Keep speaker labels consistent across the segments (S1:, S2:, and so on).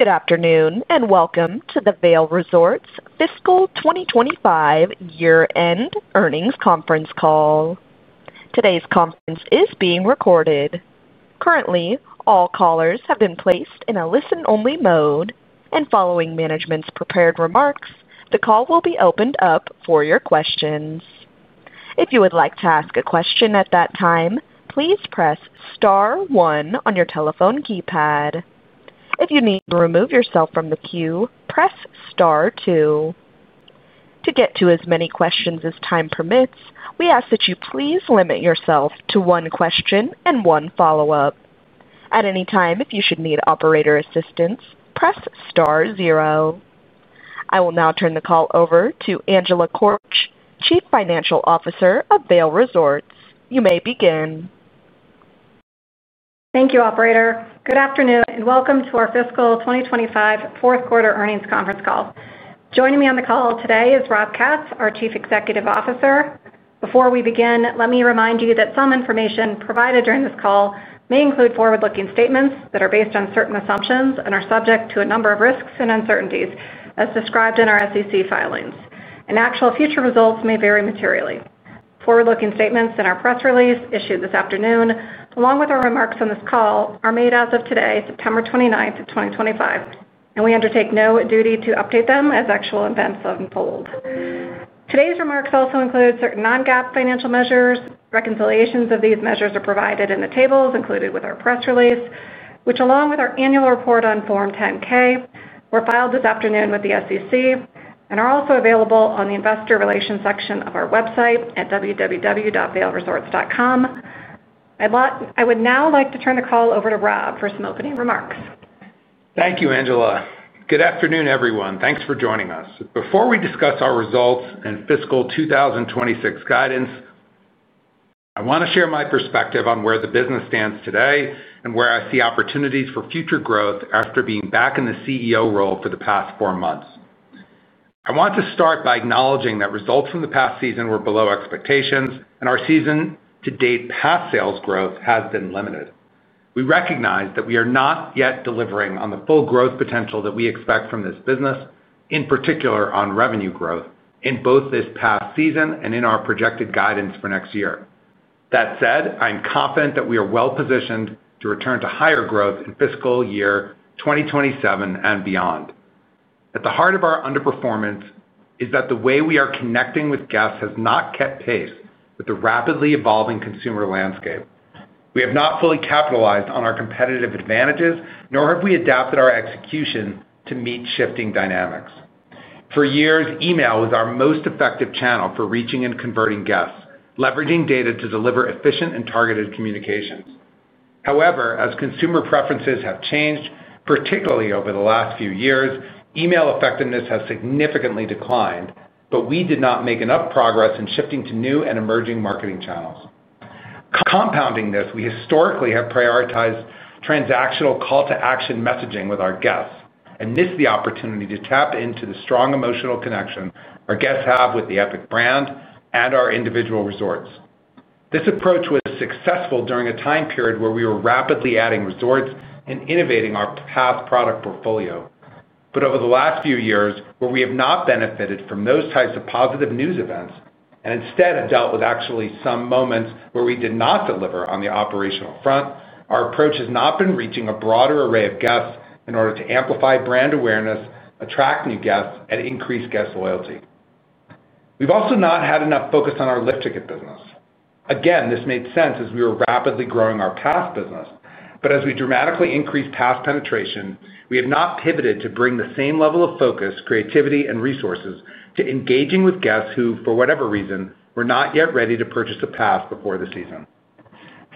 S1: Good afternoon and welcome to the Vail Resorts Fiscal 2025 Year-End Earnings Conference Call. Today's conference is being recorded. Currently, all callers have been placed in a listen-only mode, and following management's prepared remarks, the call will be opened up for your questions. If you would like to ask a question at that time, please press star one on your telephone keypad. If you need to remove yourself from the queue, press star two. To get to as many questions as time permits, we ask that you please limit yourself to one question and one follow-up at any time. If you should need operator assistance, press star zero. I will now turn the call over to Angela Korch, Chief Financial Officer of Vail Resorts. You may begin.
S2: Thank you, Operator. Good afternoon and welcome to our Fiscal 2025 Fourth Quarter Earnings Conference Call. Joining me on the call today is Rob Katz, our Chief Executive Officer. Before we begin, let me remind you that some information provided during this call may include forward-looking statements that are based on certain assumptions and are subject to a number of risks and uncertainties as described in our SEC filings, and actual future results may vary materially. Forward-looking statements in our press release issued this afternoon along with our remarks on this call are made as of today, September 29th, 2025, and we undertake no duty to update them as actual events unfold. Today's remarks also include certain non-GAAP financial measures. Reconciliations of these measures are provided in the tables included with our press release, which, along with our annual report on Form 10-K, were filed this afternoon with the SEC and are also available on the Investor Relations section of our website at www.vailresorts.com. I would now like to turn the call over to Rob for some opening remarks.
S3: Thank you, Angela. Good afternoon, everyone. Thanks for joining us. Before we discuss our results and fiscal 2026 guidance, I want to share my perspective on where the business stands today and where I see opportunities for future growth. After being back in the CEO role for the past four months, I want to start by acknowledging that results from the past season were below expectations and our season-to-date pass sales growth has been limited. We recognize that we are not yet delivering on the full growth potential that we expect from this business, in particular on revenue growth in both this past season and in our projected guidance for next year. That said, I am confident that we are well positioned to return to higher growth in fiscal year 2027 and beyond. At the heart of our underperformance is that the way we are connecting with guests has not kept pace with the rapidly evolving consumer landscape. We have not fully capitalized on our competitive advantages nor have we adapted our execution to meet shifting dynamics. For years, email was our most effective channel for reaching and converting guests, leveraging data to deliver efficient and targeted communications. However, as consumer preferences have changed, particularly over the last few years, email effectiveness has significantly declined. We did not make enough progress in shifting to new and emerging marketing channels. Compounding this, we historically have prioritized transactional call-to-action messaging with our guests and missed the opportunity to tap into the strong emotional connection our guests have with the Epic brand and our individual resorts. This approach was successful during a time period where we were rapidly adding resorts and innovating our pass product portfolio. Over the last few years, where we have not benefited from those types of positive news events and instead have dealt with actually some moments where we did not deliver on the operational front, our approach has not been reaching a broader array of guests in order to amplify brand awareness, attract new guests, and increase guest loyalty. We've also not had enough focus on our lift ticket business. This made sense as we were rapidly growing our pass business, but as we dramatically increased pass penetration, we have not pivoted to bring the same level of focus, creativity, and resources to engaging with guests who, for whatever reason, were not yet ready to purchase a pass before the season.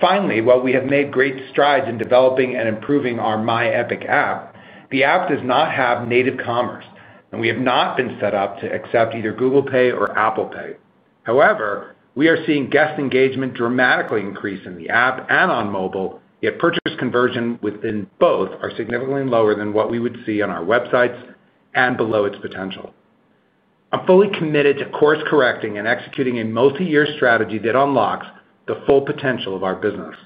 S3: Finally, while we have made great strides in developing and improving our My Epic app, the app does not have native commerce, and we have not been set up to accept either Google Pay or Apple Pay. However, we are seeing guest engagement dramatically increase in the app and on mobile, yet purchase conversion within both are significantly lower than what we would see on our websites and below its potential. I'm fully committed to course correcting and executing a multi-year strategy that unlocks the full potential of our business.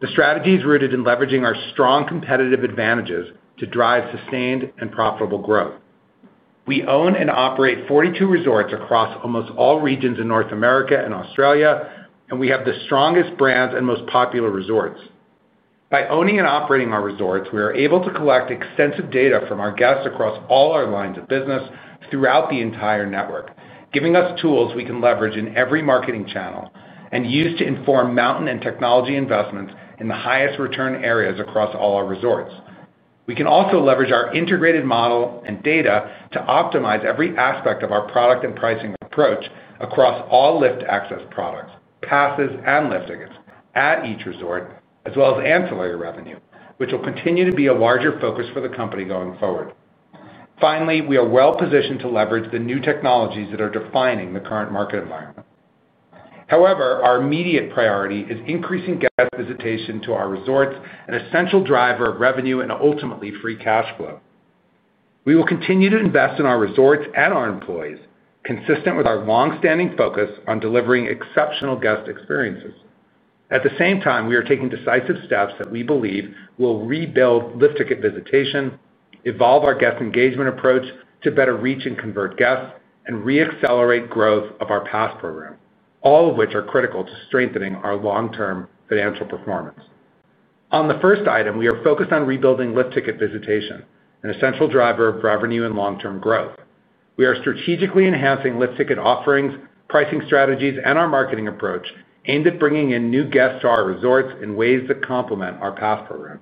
S3: The strategy is rooted in leveraging our strong competitive advantages to drive sustained and profitable growth. We own and operate 42 resorts across almost all regions in North America and Australia, and we have the strongest brands and most popular resorts. By owning and operating our resorts, we are able to collect extensive data from our guests across all our lines of business throughout the entire network, giving us tools we can leverage in every marketing channel and use to inform mountain and technology investments in the highest return areas across all our resorts. We can also leverage our integrated model and data to optimize every aspect of our product and pricing approach across all lift access products, passes, and lift tickets at each resort, as well as ancillary revenue, which will continue to be a larger focus for the company going forward. Finally, we are well positioned to leverage the new technologies that are defining the current market environment. However, our immediate priority is increasing guest visitation to our resorts, an essential driver of revenue and ultimately free cash flow. We will continue to invest in our resorts and our employees, consistent with our long-standing focus on delivering exceptional guest experiences. At the same time, we are taking decisive steps that we believe will rebuild lift ticket visitation, evolve our guest engagement approach to better reach and convert guests, and re-accelerate growth of our pass program, all of which are critical to strengthening our long-term financial performance. On the first item, we are focused on rebuilding lift ticket visitation, an essential driver of revenue and long-term growth. We are strategically enhancing lift ticket offerings, pricing strategies, and our marketing approach aimed at bringing in new guests to our resorts in ways that complement our pass program.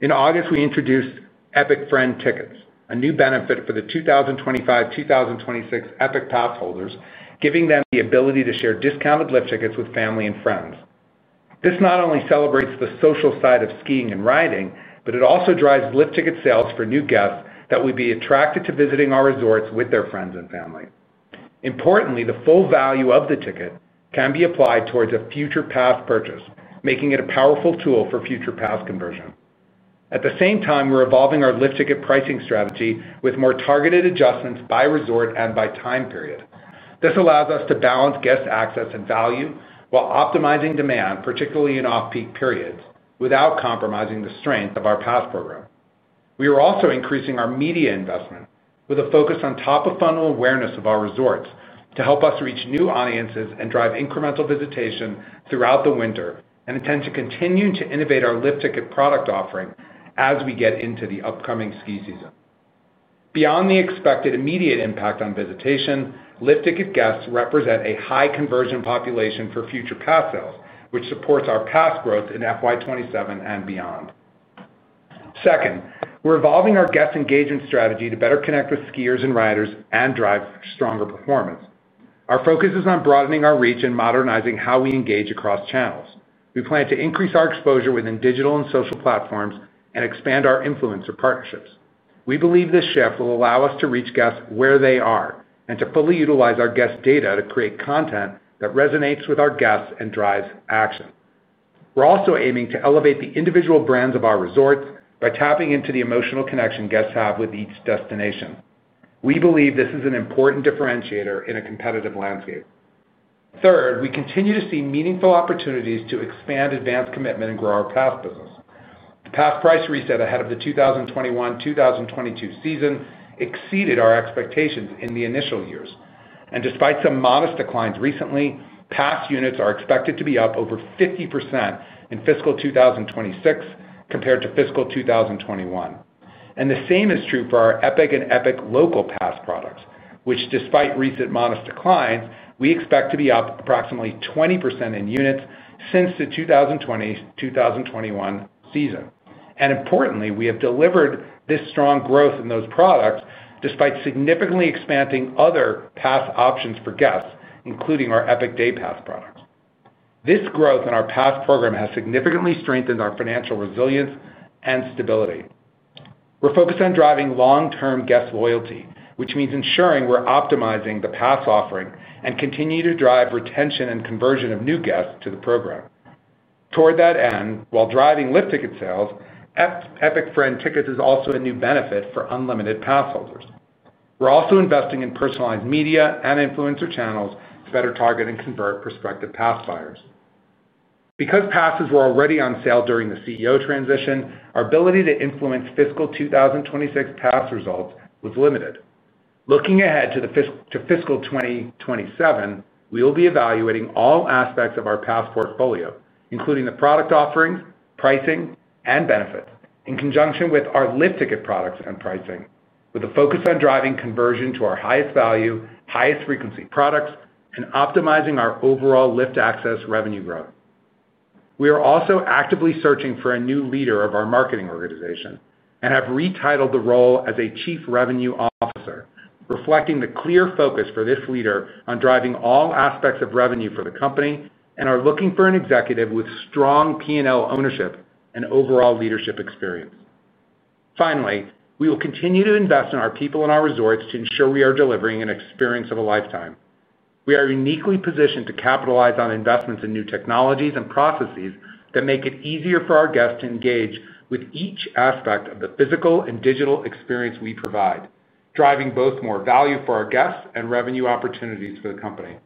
S3: In August, we introduced Epic Friend Tickets, a new benefit for the 2025-2026 Epic Pass holders, giving them the ability to share discounted lift tickets with family and friends. This not only celebrates the social side of skiing and riding, but it also drives lift ticket sales for new guests that would be attracted to visiting our resorts with their friends and family. Importantly, the full value of the ticket can be applied towards a future pass purchase, making it a powerful tool for future pass conversion. At the same time, we're evolving our lift ticket pricing strategy with more targeted adjustments by resort and by time period. This allows us to balance guest access and value while optimizing demand, particularly in off-peak periods, without compromising the strength of our pass program. We are also increasing our media investment with a focus on top-of-funnel awareness of our resorts to help us reach new audiences and drive incremental visitation throughout the winter and intend to continue to innovate our lift ticket product offering as we get into the upcoming ski season. Beyond the expected immediate impact on visitation, lift ticket guests represent a high conversion population for future pass sales which supports our pass growth in FY 2027 and beyond. Second, we're evolving our guest engagement strategy to better connect with skiers and riders and drive stronger performance. Our focus is on broadening our reach and modernizing how we engage across channels. We plan to increase our exposure within digital and social platforms and expand our influencer partnerships. We believe this shift will allow us to reach guests where they are and to fully utilize our guest data to create content that resonates with our guests and drives action. We're also aiming to elevate the individual brands of our resorts by tapping into the emotional connection guests have with each destination. We believe this is an important differentiator in a competitive landscape. Third, we continue to see meaningful opportunities to expand advanced commitment and grow our pass business. The pass price reset ahead of the 2021-2022 season exceeded our expectations in the initial years and despite some modest declines recently, pass units are expected to be up over 50% in fiscal 2026 compared to fiscal 2021 and the same is true for our Epic and Epic Local Pass products which despite recent modest declines, we expect to be up approximately 20% in units since the 2020-2021 season. Importantly, we have delivered this strong growth in those products despite significantly expanding other pass options for guests, including our Epic Day Pass products. This growth in our pass program has significantly strengthened our financial resilience and stability. We're focused on driving long term guest loyalty, which means ensuring we're optimizing the pass offering and continue to drive retention and conversion of new guests to the program toward that end while driving lift ticket sales. Epic Friend Tickets is also a new benefit for unlimited pass holders. We're also investing in personalized media and influencer channels to better target and convert prospective pass holders. Because passes were already on sale during the CEO transition, our ability to influence fiscal 2026 pass results was limited. Looking ahead to fiscal 2027, we will be evaluating all aspects of our pass portfolio including the product offerings, pricing and benefits in conjunction with our lift ticket products and pricing with a focus on driving conversion to our highest value, highest frequency products and optimizing our overall lift access revenue growth. We are also actively searching for a new leader of our marketing organization and have retitled the role as Chief Revenue Officer, reflecting the clear focus for this leader on driving all aspects of revenue for the company and are looking for an executive with strong P&L ownership and overall leadership experience. Finally, we will continue to invest in our people and our resorts to ensure we are delivering an experience of a lifetime. We are uniquely positioned to capitalize on investments in new technologies and processes that make it easier for our guests to engage with each aspect of the physical and digital experience we provide, driving both more value for our guests and revenue opportunities for the company.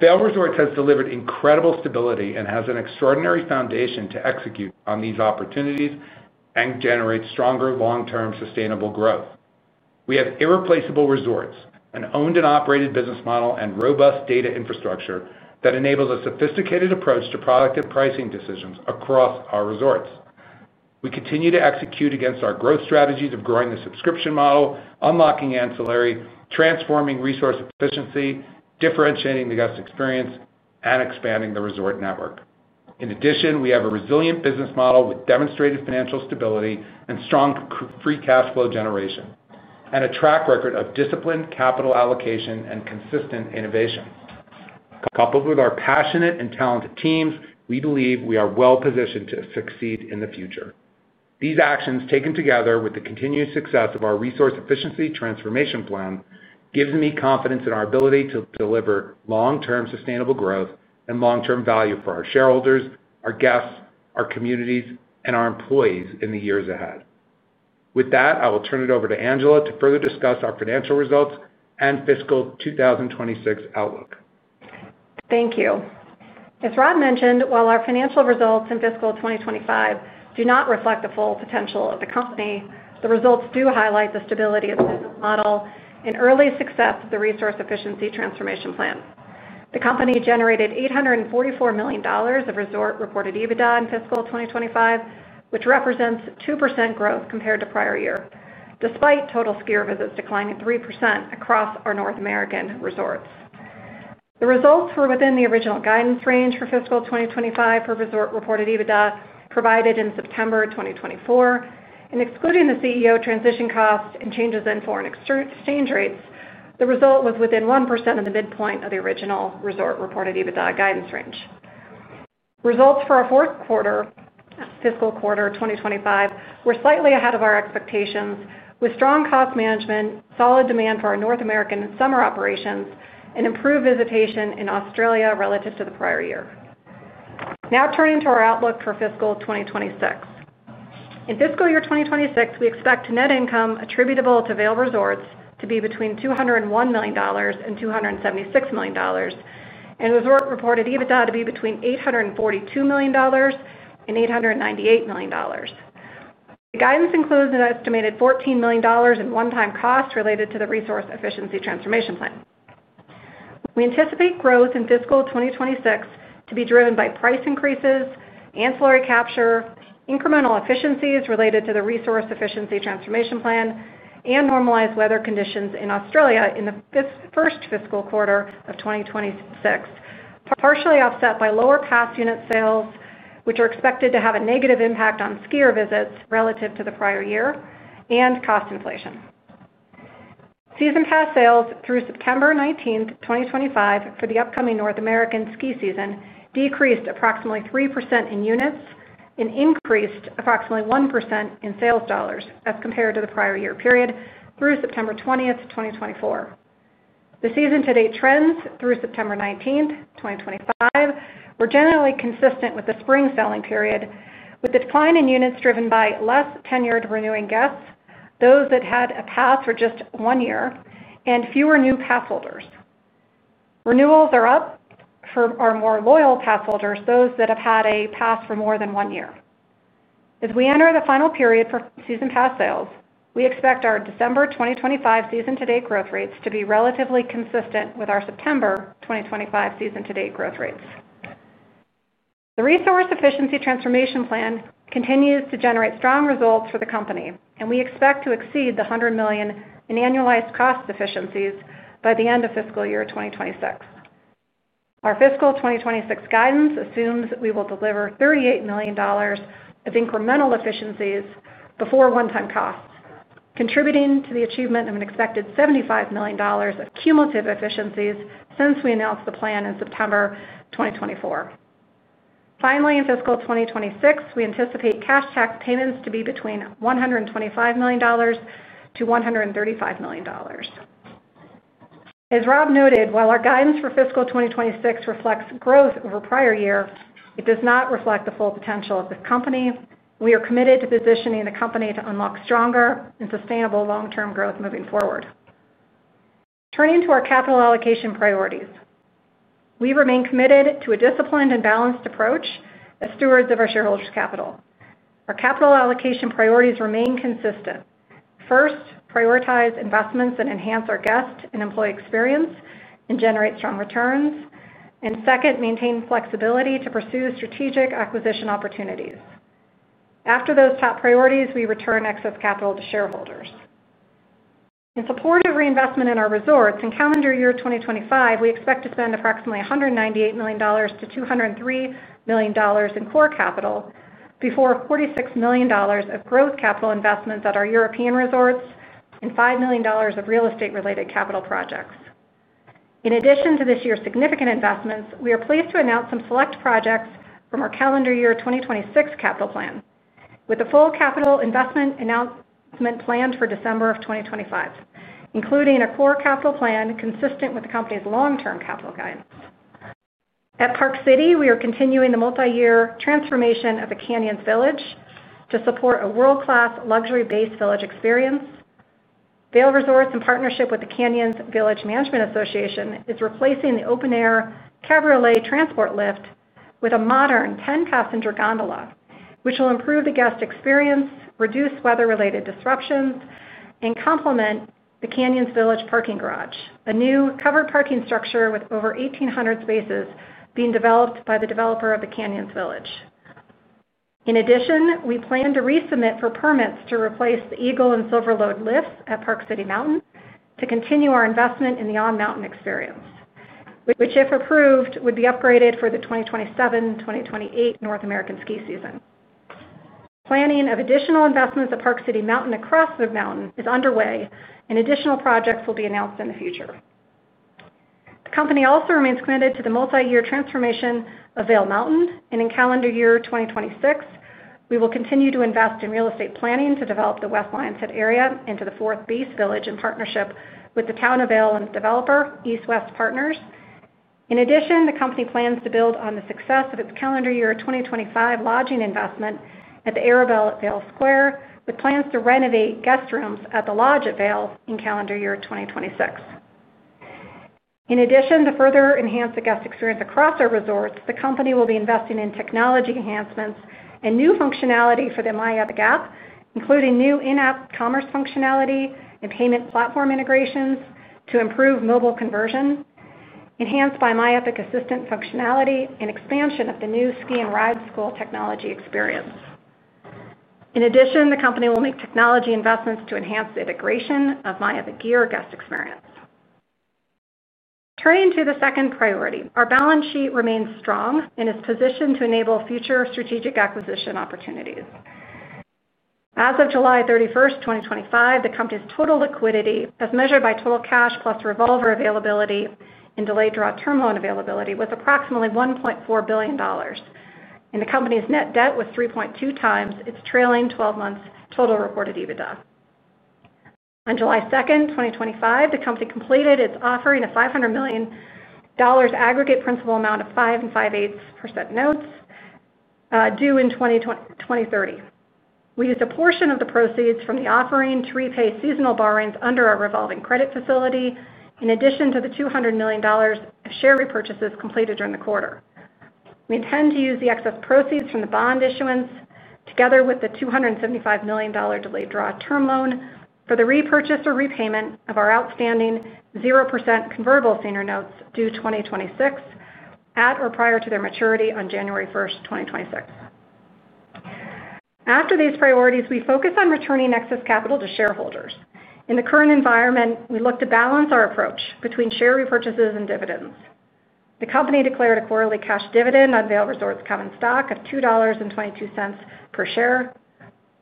S3: Vail Resorts has delivered incredible stability and has an extraordinary foundation to execute on these opportunities and generate stronger long term sustainable growth. We have irreplaceable resorts, an owned and operated business model and robust data infrastructure that enables a sophisticated approach to product and pricing decisions across our resorts. We continue to execute against our growth strategies of growing the subscription model, unlocking ancillary, transforming resource efficiency, differentiating the guest experience and expanding the resort network. In addition, we have a resilient business model with demonstrated financial stability and strong free cash flow generation and a track record of disciplined capital allocation and consistent innovation. Coupled with our passionate and talented teams, we believe we are well positioned to succeed in the future. These actions, taken together with the continued success of our Resource Efficiency Transformation Plan, give me confidence in our ability to deliver long term sustainable growth and long term value for our shareholders, our guests, our communities, and our employees in the years ahead. With that, I will turn it over to Angela to further discuss our financial results and fiscal 2026 outlook.
S2: Thank you. As Rob mentioned, while our financial results in fiscal 2025 do not reflect the full potential of the company, the results do highlight the stability of the business model and early success of the Resource Efficiency Transformation Plan. The company generated $844 million of resort reported EBITDA in fiscal 2025, which represents 2% growth compared to the prior year despite total skier visits declining 3% across our North American resorts. The results were within the original guidance range for fiscal 2025 for resort reported EBITDA provided in September 2024, and excluding the CEO transition costs and changes in foreign exchange rates, the result was within 1% of the midpoint of the original resort reported EBITDA guidance range. Results for our fourth quarter fiscal 2025 were slightly ahead of our expectations with strong cost management, solid demand for our North American summer operations, and improved visitation in Australia relative to the prior year. Now turning to our outlook for fiscal 2026, in fiscal year 2026 we expect net income attributable to Vail Resorts to be between $201 million and $276 million and resort reported EBITDA to be between $842 million and $898 million. The guidance includes an estimated $14 million in one-time costs related to the Resource Efficiency Transformation Plan. We anticipate growth in fiscal 2026 to be driven by price increases, ancillary capture, incremental efficiencies related to the Resource Efficiency Transformation Plan, and normalized weather conditions in Australia in the first fiscal quarter of 2026, partially offset by lower pass unit sales which are expected to have a negative impact on skier visits relative to the prior year and cost inflation. Season pass sales through September 19th, 2025 for the upcoming North American ski season decreased approximately 3% in units and increased approximately 1% in sales dollars as compared to the prior year period through September 20th, 2024. The season-to-date trends through September 19th, 2025 were generally consistent with the spring selling period, with the decline in units driven by less tenured renewing guests, those that had a pass for just one year, and fewer new pass holders. Renewals are up for our more loyal pass holders, those that have had a pass for more than one year. As we enter the final period for season pass sales, we expect our December 2025 season-to-date growth rates to be relatively consistent with our September 2025 season-to-date growth rates. The Resource Efficiency Transformation Plan continues to generate strong results for the company, and we expect to exceed the $100 million in annualized cost efficiencies by the end of fiscal year 2026. Our fiscal 2026 guidance assumes we will deliver $38 million of incremental efficiencies before one-time costs, contributing to the achievement of an expected $75 million of cumulative efficiencies since we announced the plan in September 2024. Finally, in fiscal 2026, we anticipate cash tax payments to be between $125 million to $135 million. As Rob noted, while our guidance for fiscal 2026 reflects growth over prior year, it does not reflect the full potential of this company. We are committed to positioning the company to unlock stronger and sustainable long-term growth moving forward. Turning to our capital allocation priorities, we remain committed to a disciplined and balanced approach. As stewards of our shareholders' capital, our capital allocation priorities remain consistent: first, prioritize investments that enhance our guest and employee experience and generate strong returns, and second, maintain flexibility to pursue strategic acquisition opportunities. After those top priorities, we return excess capital to shareholders in support of reinvestment in our resorts. In calendar year 2025, we expect to spend approximately $198 million-$203 million in core capital before $46 million of growth capital investments at our European resorts and $5 million of real estate related capital projects. In addition to this year's significant investments, we are pleased to announce some select projects from our calendar year 2026 capital plan, with a full capital investment announcement planned for December 2025, including a core capital plan consistent with the company's long-term capital gain. At Park City, we are continuing the multi-year transformation of the Canyons Village to support a world-class luxury base village experience. Vail Resorts, in partnership with the Canyons Village Management Association, is replacing the open-air cabriolet transport lift with a modern 10-passenger gondola, which will improve the guest experience, reduce weather-related disruptions, and complement the Canyons Village parking garage, a new covered parking structure with over 1,800 spaces being developed by the developer of the Canyons Village. In addition, we plan to resubmit for permits to replace the Eagle and Silverlode lifts at Park City Mountain to continue our investment in the on-mountain experience, which, if approved, would be upgraded for the 2027-2028 North American ski season. Planning of additional investments at Park City Mountain across the mountain is underway, and additional projects will be announced in the future. The company also remains committed to the multi-year transformation of Vail Mountain and, in calendar year 2026. We will continue to invest in real estate planning to develop the West Lionshead area into the fourth base village in partnership with the Town of Vail and developer East West Partners. In addition, the company plans to build on the success of its calendar year 2025 lodging investment at The Arrabelle at Vail Square with plans to renovate guest rooms at the Lodge at Vail in calendar year 2026. To further enhance the guest experience across our resorts, the company will be investing in technology enhancements and new functionality for the My Epic app, including new in-app commerce functionality and payment platform integrations to improve mobile conversion, enhanced by My Epic Assistant functionality and expansion of the new ski and ride school technology experience. In addition, the company will make technology investments to enhance the integration of My Epic Gear guest experience. Turning to the second priority, our balance sheet remains strong and is positioned to enable future strategic acquisition opportunities. As of July 31st, 2025, the company's total liquidity as measured by total cash plus revolver availability and delayed draw term loan availability was approximately $1.4 billion, and the company's net debt was 3.2x its trailing 12 months total reported EBITDA. On July 2nd, 2025, the company completed its offering of $500 million aggregate principal amount of 5.625% notes due in 2030. We used a portion of the proceeds from the offering to repay seasonal borrowings under our revolving credit facility. In addition to the $200 million share repurchases completed during the quarter, we intend to use the excess proceeds from the bond issuance together with the $275 million delayed draw term loan for the repurchase or repayment of our outstanding 0% convertible senior notes due 2026 at or prior to their maturity on January 1st, 2026. After these priorities, we focus on returning excess capital to shareholders. In the current environment, we look to balance our approach between share repurchases and dividends. The company declared a quarterly cash dividend on Vail Resorts common stock of $2.22 per share.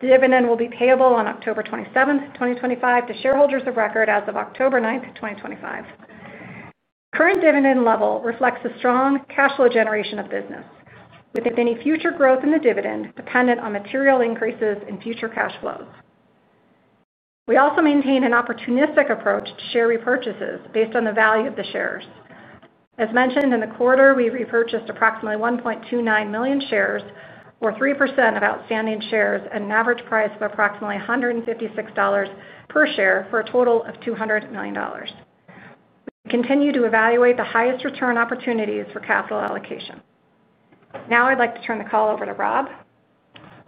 S2: The dividend will be payable on October 27th, 2025, to shareholders of record as of October 9th, 2025. Current dividend level reflects the strong cash flow generation of business, with any future growth in the dividend dependent on material increases in future cash flows. We also maintain an opportunistic approach to share repurchases based on the value of the shares. As mentioned, in the quarter, we repurchased approximately 1.29 million shares, or 3% of outstanding shares at an average price of approximately $156 per share for a total of $200 million. Continue to evaluate the highest return opportunities for capital allocation. Now I'd like to turn the call. Over to Rob.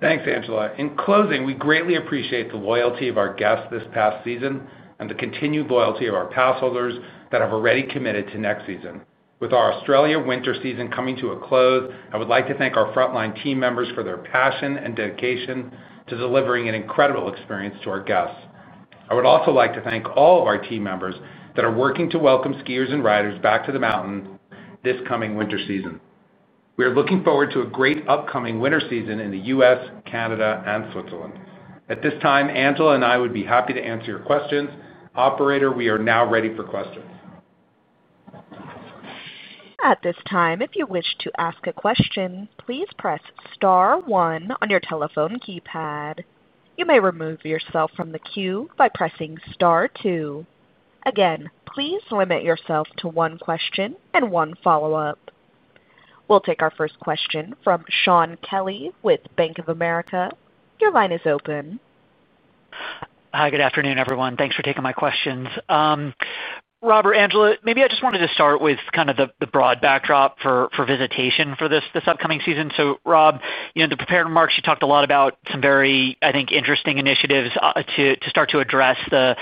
S3: Thanks, Angela. In closing, we greatly appreciate the loyalty of our guests this past season and the continued loyalty of our pass holders that have already committed to next season. With our Australia winter season coming to a close, I would like to thank our frontline team members for their passion and dedication to delivering an incredible experience to our guests. I would also like to thank all of our team members that are working to welcome skiers and riders back to the mountain this coming winter season. We are looking forward to a great upcoming winter season in the U.S., Canada, and Switzerland. At this time, Angela and I would be happy to answer your questions. Operator, we are now ready for questions.
S1: At this time, if you wish to ask a question, please press star one on your telephone keypad. You may remove yourself from the queue by pressing star two again. Please limit yourself to one question and one follow-up. We'll take our first question from Shaun Kelley with Bank of America. Your line is open.
S4: Hi, good afternoon everyone. Thanks for taking my questions, Rob or Angela. Maybe I just wanted to start with kind of the broad backdrop for visitation for this upcoming season. Rob, in the prepared remarks you talked a lot about some very, I think, interesting initiatives to start to address. Some.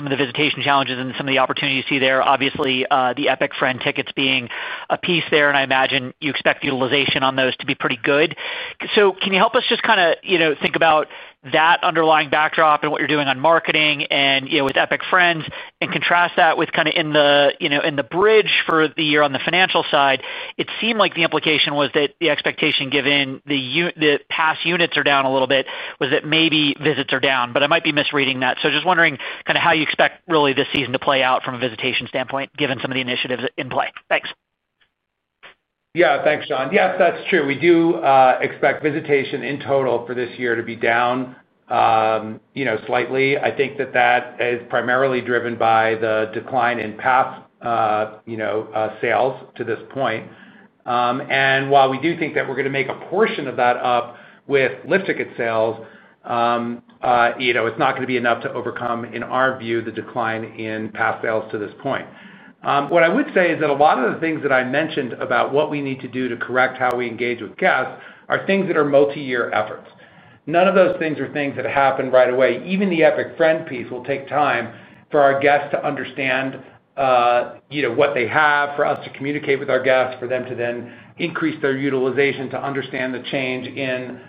S4: Of the visitation challenges and some of the opportunities you see there. Obviously the Epic Friend Tickets being a piece there, and I imagine you expect utilization on those to be pretty good. Can you help us think about that underlying backdrop and what you're doing on marketing with Epic Friends and contrast that in the bridge for the year? On the financial side, it seemed like the implication was that the expectation, given that pass units are down a little bit, was that maybe visits are down, but I might be misreading that. Just wondering kind of how you expect really this season to play out from a visitation standpoint given some of the initiatives in play? Thanks.
S3: Yeah, thanks, Shaun. Yeah, that's true. We do expect visitation in total for this year to be down slightly. I think that is primarily driven by the decline in pass sales to this point. While we do think that we're going to make a portion of that up with lift ticket sales, it's not going to be enough to overcome, in our view, the decline in pass sales to this point. What I would say is that a lot of the things that I mentioned about what we need to do to correct how we engage with guests are things that are multi-year efforts. None of those things are things that happen right away. Even the Epic Friend piece will take time for our guests to understand what they have, for us to communicate with our guests, for them to then increase their utilization, to understand the change in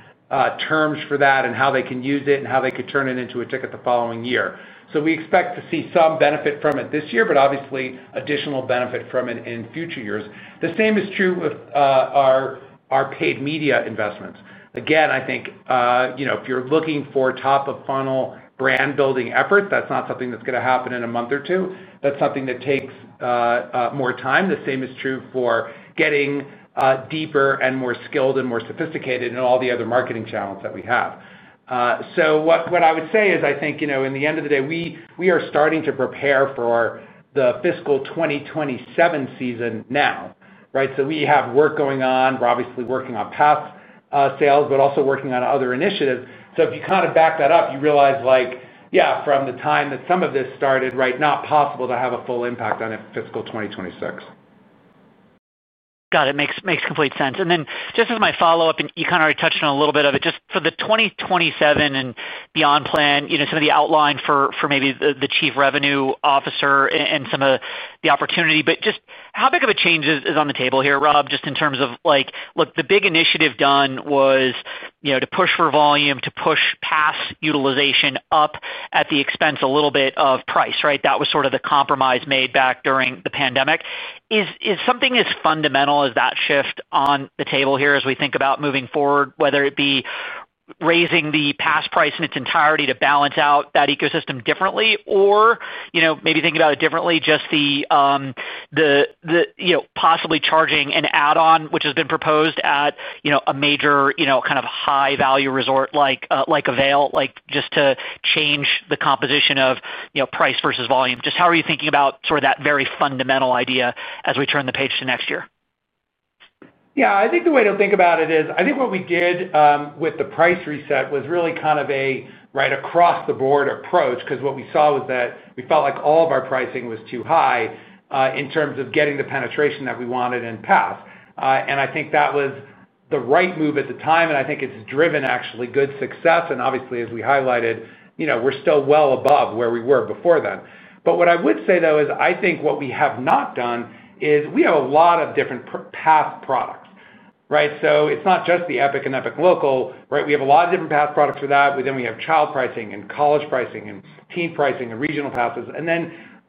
S3: terms for that and how they can use it and how they could turn it into a ticket the following year. We expect to see some benefit from it this year, but obviously additional benefit from it in future years. The same is true with our paid media investments. If you're looking for top of funnel brand building effort, that's not something that's going to happen in a month or two. That's something that takes more time. The same is true for getting deeper and more skilled and more sophisticated in all the other marketing channels that we have. What I would say is, I think, in the end of the day, we are starting to prepare for the fiscal 2027 season now. We have work going on. We're obviously working on pass sales, but also working on other initiatives. If you kind of back that up, you realize from the time that some of this started, it's not possible to have a full impact on fiscal 2026.
S4: Got it. Makes complete sense. Just as my follow-up, you kind of already touched on a little bit of it just for the 2027 and beyond plan. Some of the outline for maybe the Chief Revenue Officer and some of the opportunity. Just how big of a change is on the table here, Rob? Just in terms of like look, the big initiative done was to push for volume, to push pass utilization up at the expense a little bit of price. Right? That was sort of the compromise made back during the pandemic. Is something as fundamental as shift on the table here as we think about moving forward, whether it be raising the pass price in its entirety to balance out that ecosystem differently or maybe think about it differently. Just. Possibly charging an add-on, which has been proposed at a major kind of high-value resort like Vail, just to change the composition of price versus volume. Just how are you thinking about that? Very fundamental idea as we turn the page to next year?
S3: Yeah, I think the way to think about it is what we did with the price reset was really kind of a right across the board approach. What we saw was that we felt like all of our pricing was too high in terms of getting the penetration that we wanted in PEF. I think that was the right move at the time and I think it's driven actually good success. Obviously, as we highlighted, we're still well above where we were before then. What I would say though is I think what we have not done is, we have a lot of different pass products, right? It's not just the Epic and Epic Local, right? We have a lot of different pass products for that. We have child pricing and college pricing and teen pricing and regional passes.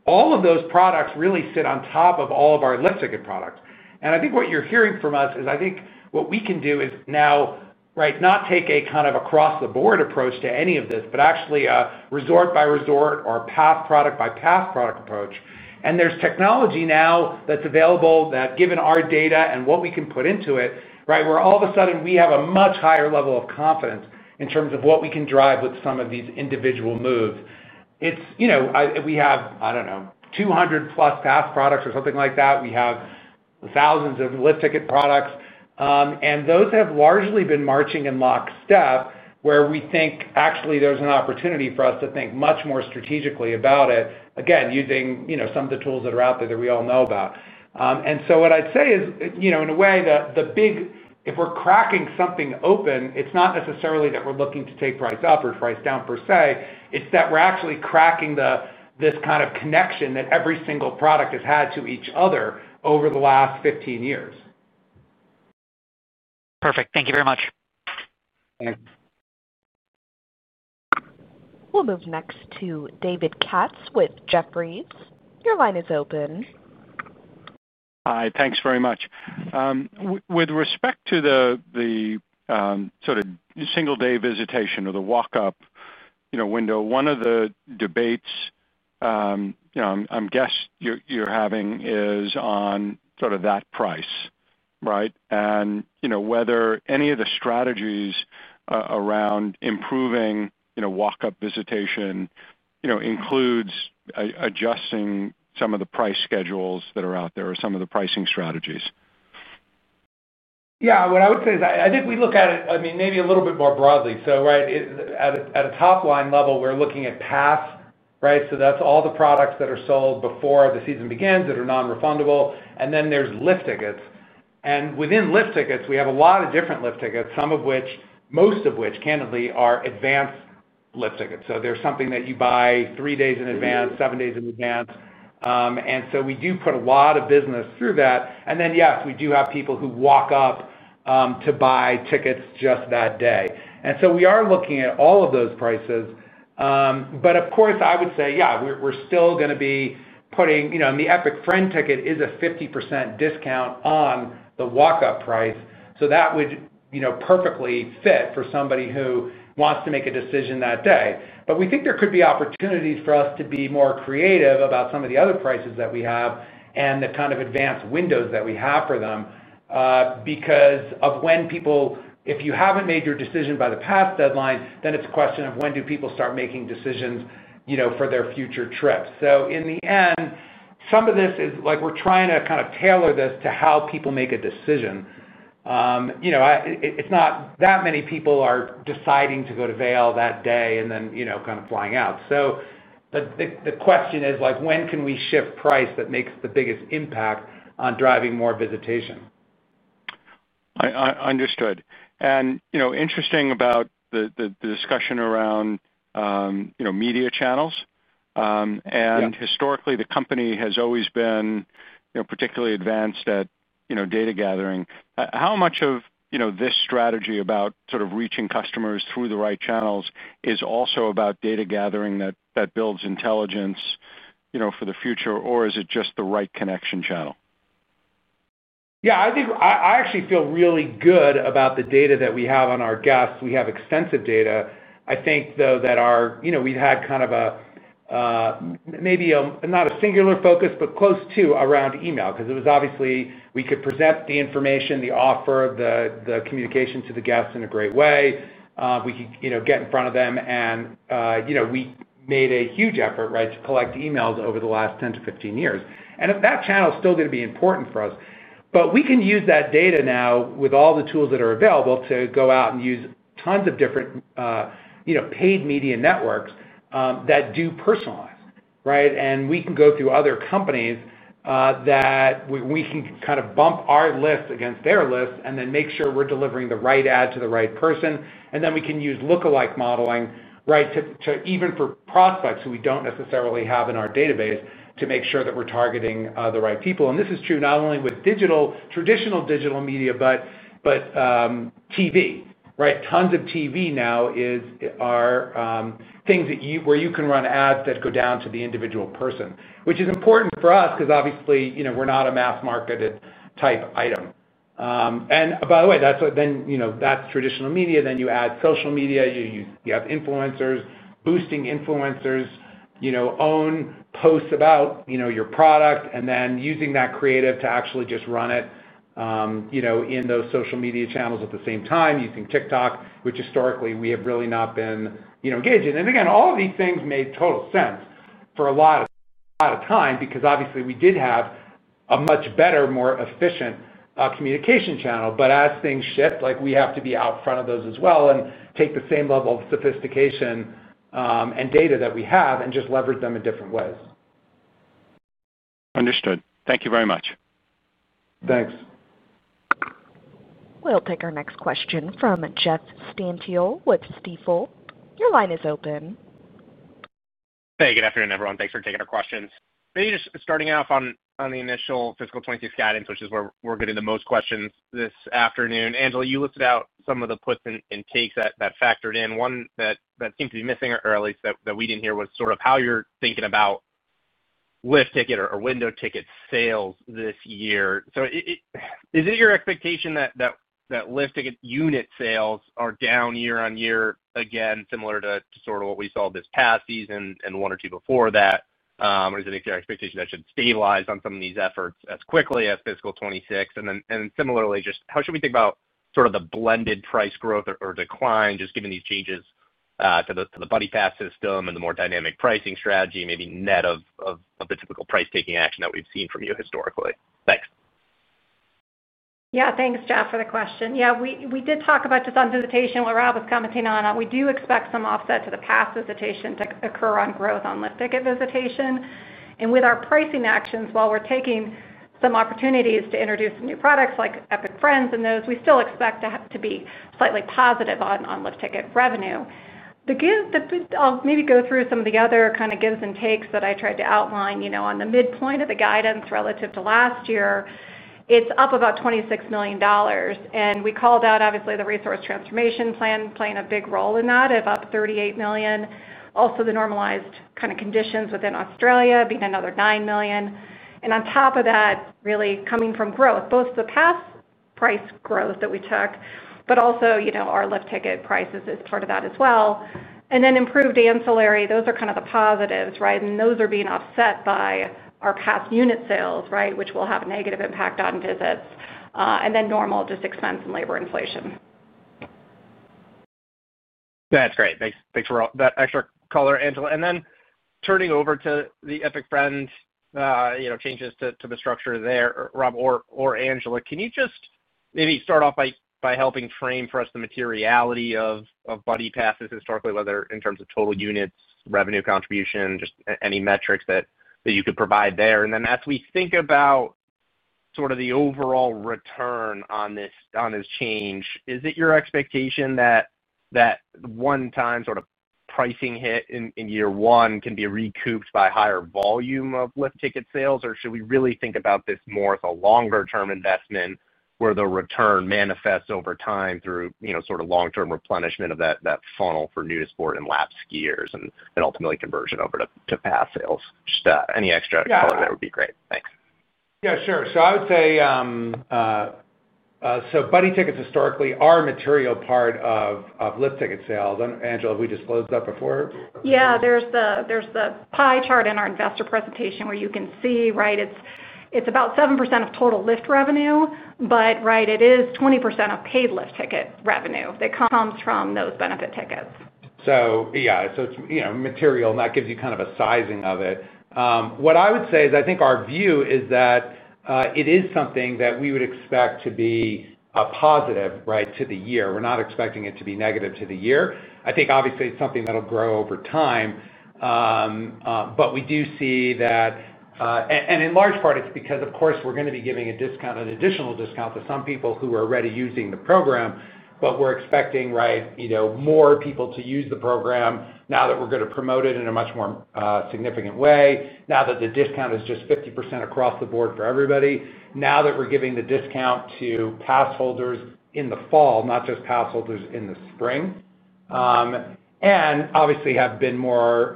S3: All of those products really sit on top of all of our lift ticket products. I think what you're hearing from us is I think what we can do is now, not take a kind of across the board approach to any of this, but actually resort by resort or pass product by pass product approach. There's technology now that's available that, given our data and what we can put into it, where all of a sudden we have a much higher level of confidence in terms of what we can drive with some of these individual moves. We have, I don't know, 200+ pass products or something like that. We have thousands of lift ticket products and those have largely been marching in lockstep where we think actually there's an opportunity for us to think much more strategically about it again using some of the tools that are out there that we all know about. What I'd say is, in a way, if we're cracking something open, it's not necessarily that we're looking to take products up or price down per se, it's that we're actually cracking this kind of connection that every single product has had to each other over the last 15 years.
S4: Perfect. Thank you very much.
S1: We'll move next to David Katz with Jefferies. Your line is open.
S5: Hi. Thanks very much. With respect to the sort of single day visitation or the walk up, you know, window, one of the debates I guess you're having is on sort of that price, right, and you know, whether any of the strategies around improving, you know, walk up visitation includes adjusting some of the price schedules that are out there or some of the pricing strategies?
S3: What I would say is I think we look at it, I mean, maybe a little bit more broadly. At a top line level, we're looking at pass, right, so that's all the products that are sold before the season begins that are non-refundable. Then there's lift tickets, and within lift tickets we have a lot of different lift tickets, most of which candidly are advanced lift tickets. There's something that you buy three days in advance, seven days in advance, and we do put a lot of business through that. Yes, we do have people who walk up to buy tickets just that day, and we are looking at all of those prices. Of course, I would say, yeah, we're still going to be putting, you know, the Epic Friend Ticket is a 50% discount on the walk up price, so that would perfectly fit for somebody who wants to make a decision that day. We think there could be opportunities for us to be more creative about some of the other prices that we have and the kind of advanced windows that we have for them. Because if you haven't made your decision by the pass deadline, then it's a question of when do people start making decisions for their future trips. In the end, some of this is like we're trying to kind of tailor this to how people make a decision. It's not that many people are deciding to go to Vail that day and then, you know, kind of flying out. The question is like, when can we shift price that makes the biggest impact on driving more visitation?
S5: I understood. Interesting about the discussion around media channels and historically the company has always been particularly advanced at data gathering. How much of this strategy about reaching customers through the right channels is also about data gathering that builds intelligence for the future or is it just the right connection channel?
S3: I actually feel really good about the data that we have on our guests. We have extensive data. I think that we had kind of a, maybe not a singular focus, but close to around email because it was obviously we could present the information, the offer, the communication to the guests in a great way. We could get in front of them and we made a huge effort to collect emails over the last 10-15 years. That channel is still going to be important for us. We can use that data now with all the tools that are available to go out and use tons of different paid media networks that do personalize. We can go through other companies that we can kind of bump our list against their list and then make sure we're delivering the right ad to the right person. We can use lookalike modeling, even for prospects who we don't necessarily have in our database, to make sure that we're targeting the right people. This is true not only with traditional digital media, but TV. Tons of TV now are things where you can run ads that go down to the individual person, which is important for us because obviously we're not a mass marketed type item. By the way, that's traditional media. Then you add social media, you have influencers boosting influencers' own posts about your product and then using that creative to actually just run it in those social media channels at the same time using TikTok, which historically we have really not been engaging. All of these things made total sense for a lot of time because obviously we did have a much better, more efficient communication channel. As things shift, we have to be out front of those as well and take the same level of sophistication and data that we have and just leverage them in different ways.
S5: Understood. Thank you very much.
S3: Thanks.
S1: We'll take our next question from Jeff Stantial with Stifel. Your line is open.
S6: Hey, good afternoon everyone. Thanks for taking our questions. Maybe just starting off on the initial fiscal 2026 guidance, which is where we're getting the most questions this afternoon. Angela, you listed out some of the puts and takes that factored in. One that seems to be missing, or at least that we didn't hear, was sort of how you're thinking about lift ticket or window ticket sales this year. Is it your expectation that lift ticket unit sales are down year-on-year again, similar to what we saw this past season and one or two before that? Is it your expectation that should stabilize on some of these efforts as quickly as fiscal 2026? Similarly, just how should we think about the blended price growth or decline given these changes to the Buddy Pass system and the more dynamic pricing strategy, maybe net of the typical price taking action that we've seen from you historically? Thanks.
S2: Yeah, thanks, Jeff, for the question. Yeah, we did talk about just on visitation, while Rob was commenting on. We do expect some offset to the pass visitation to occur on growth on lift ticket visitation and with our pricing actions, while we're taking some opportunities to introduce new products like Epic Friends and those, we still expect to be slightly positive on lift ticket revenue. I'll maybe go through some of the other kind of gives and takes that I tried to outline. You know, on the midpoint of the guidance relative to last year, it's up about $26 million. We called out obviously the Resource Transformation Plan playing a big role in that of up $38 million. Also the normalized kind of conditions within Australia being another $9 million. On top of that really coming from growth, both the pass price growth that we took, but also our lift ticket prices is part of that as well, and then improved ancillary. Those are kind of the positives, right, and those are being offset by our pass unit sales, right, which will have a negative impact on visits and then normal just expense and labor inflation.
S6: That's great. Thanks for all that extra color, Angela. Turning over to the Epic Friends, you know, changes to the structure there. Rob or Angela, can you just maybe start off by helping frame for us the materiality of Buddy passes historically, whether in terms of total unit revenue contribution, just any metrics that you could provide there. As we think about sort of the overall return on this, on this change, is it your expectation that that one time sort of pricing hit in year one can be recouped by higher volume of lift ticket sales? Should we really think about this more as a longer term investment where the return manifests over time through sort of long term replenishment of that funnel for new sport and lap skiers and ultimately conversion over to pass sales? Any extra color, that would be great, thanks.
S3: Yeah, sure. I would say Buddy tickets historically are a material part of lift ticket sales. Angela, have we disclosed that before?
S2: Yeah, there's the pie chart in our investor presentation where you can see, right, it's about 7% of total lift revenue, but right, it is 20% of paid lift ticket revenue that comes from those benefit tickets.
S3: It's material and that gives you kind of a sizing of it. What I would say is, I think our view is that it is something that we would expect to be a positive right to the year. We're not expecting it to be negative to the year. I think obviously it's something that'll grow over time, but we do see that. In large part it's because of course, we're going to be giving a discount, an additional discount to some people who are already using the program. We're expecting more people to use the program now that we're going to promote it in a much more significant way now that the discount is just 50% across the board for everybody, now that we're giving the discount to pass holders in the fall, not just pass holders in the spring, and obviously have been more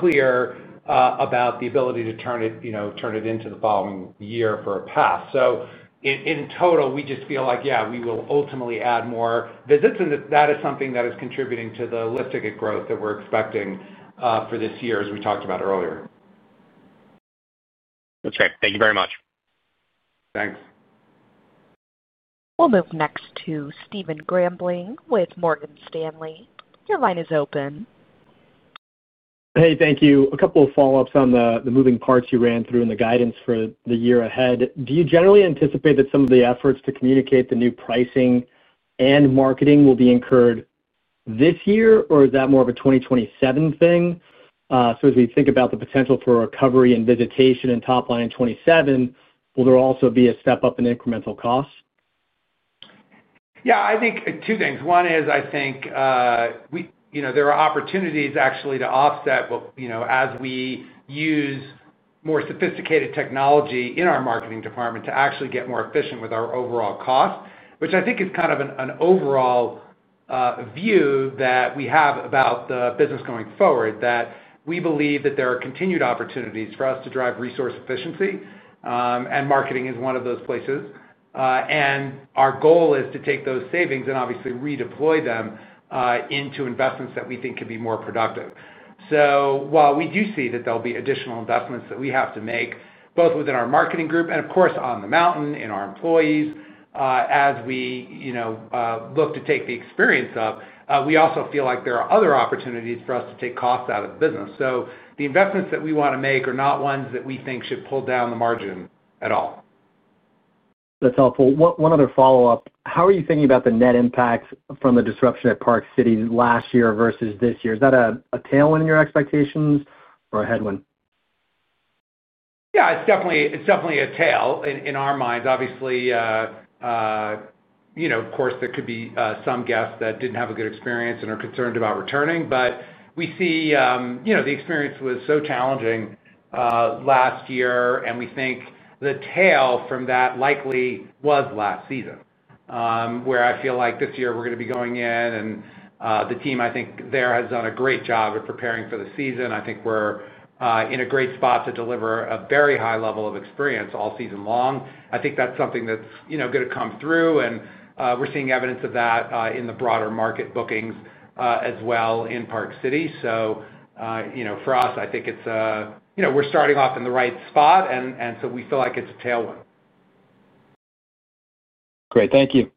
S3: clear about the ability to turn it into the following year for a pass. In total, we just feel like we will ultimately add more visits and that is something that is contributing to the lift ticket growth that we're expecting for this year, as we talked about earlier.
S6: Thank you very much.
S3: Thanks.
S1: We'll move next to Stephen Grambling with Morgan Stanley. Your line is open.
S7: Hey, thank you. A couple of follow-ups on the moving parts you ran through in the guidance for the year ahead. Do you generally anticipate that some of the efforts to communicate the new pricing and marketing will be incurred this year or is that more of a 2027 thing? As we think about the potential for recovery and visitation and top line in 2027, will there also be a step up in incremental costs?
S3: Yeah, I think two things. One is, I think there are opportunities actually to offset. As we use more sophisticated technology in our marketing department to actually get more efficient with our overall cost, which I think is kind of an overall view that we have about the business going forward, we believe that there are continued opportunities for us to drive resource efficiency and marketing is one of those places. Our goal is to take those savings and obviously redeploy them into investments that we think could be more productive. While we do see that there will be additional investments that we have to make both within our marketing group and of course, on the mountain in our employees, as we look to take the experience up, we also feel like there are other opportunities for us to take costs out of the business. The investments that we want to make are not ones that we think should pull down the margin at all.
S7: That's helpful. One other follow-up. How are you thinking about the net impact from the disruption at Park City last year versus this year? Is that a tailwind in your expectations or a headwind?
S3: Yeah, it's definitely a tail in our minds. Obviously, there could be some guests that didn't have a good experience and are concerned about returning, but we see the experience was so challenging last year, and we think the tail from that likely was last season where I feel like this year we're going to be going in and the team, I think, there has done a great job of preparing for the season. I think we're in a great spot to deliver a very high level of experience all season long. I think that's something that's going to come through and we're seeing evidence of that in the broader market bookings as well in Park City. For us, I think we're starting off in the right spot and we feel like it's a tailwind.
S7: Great, thank you.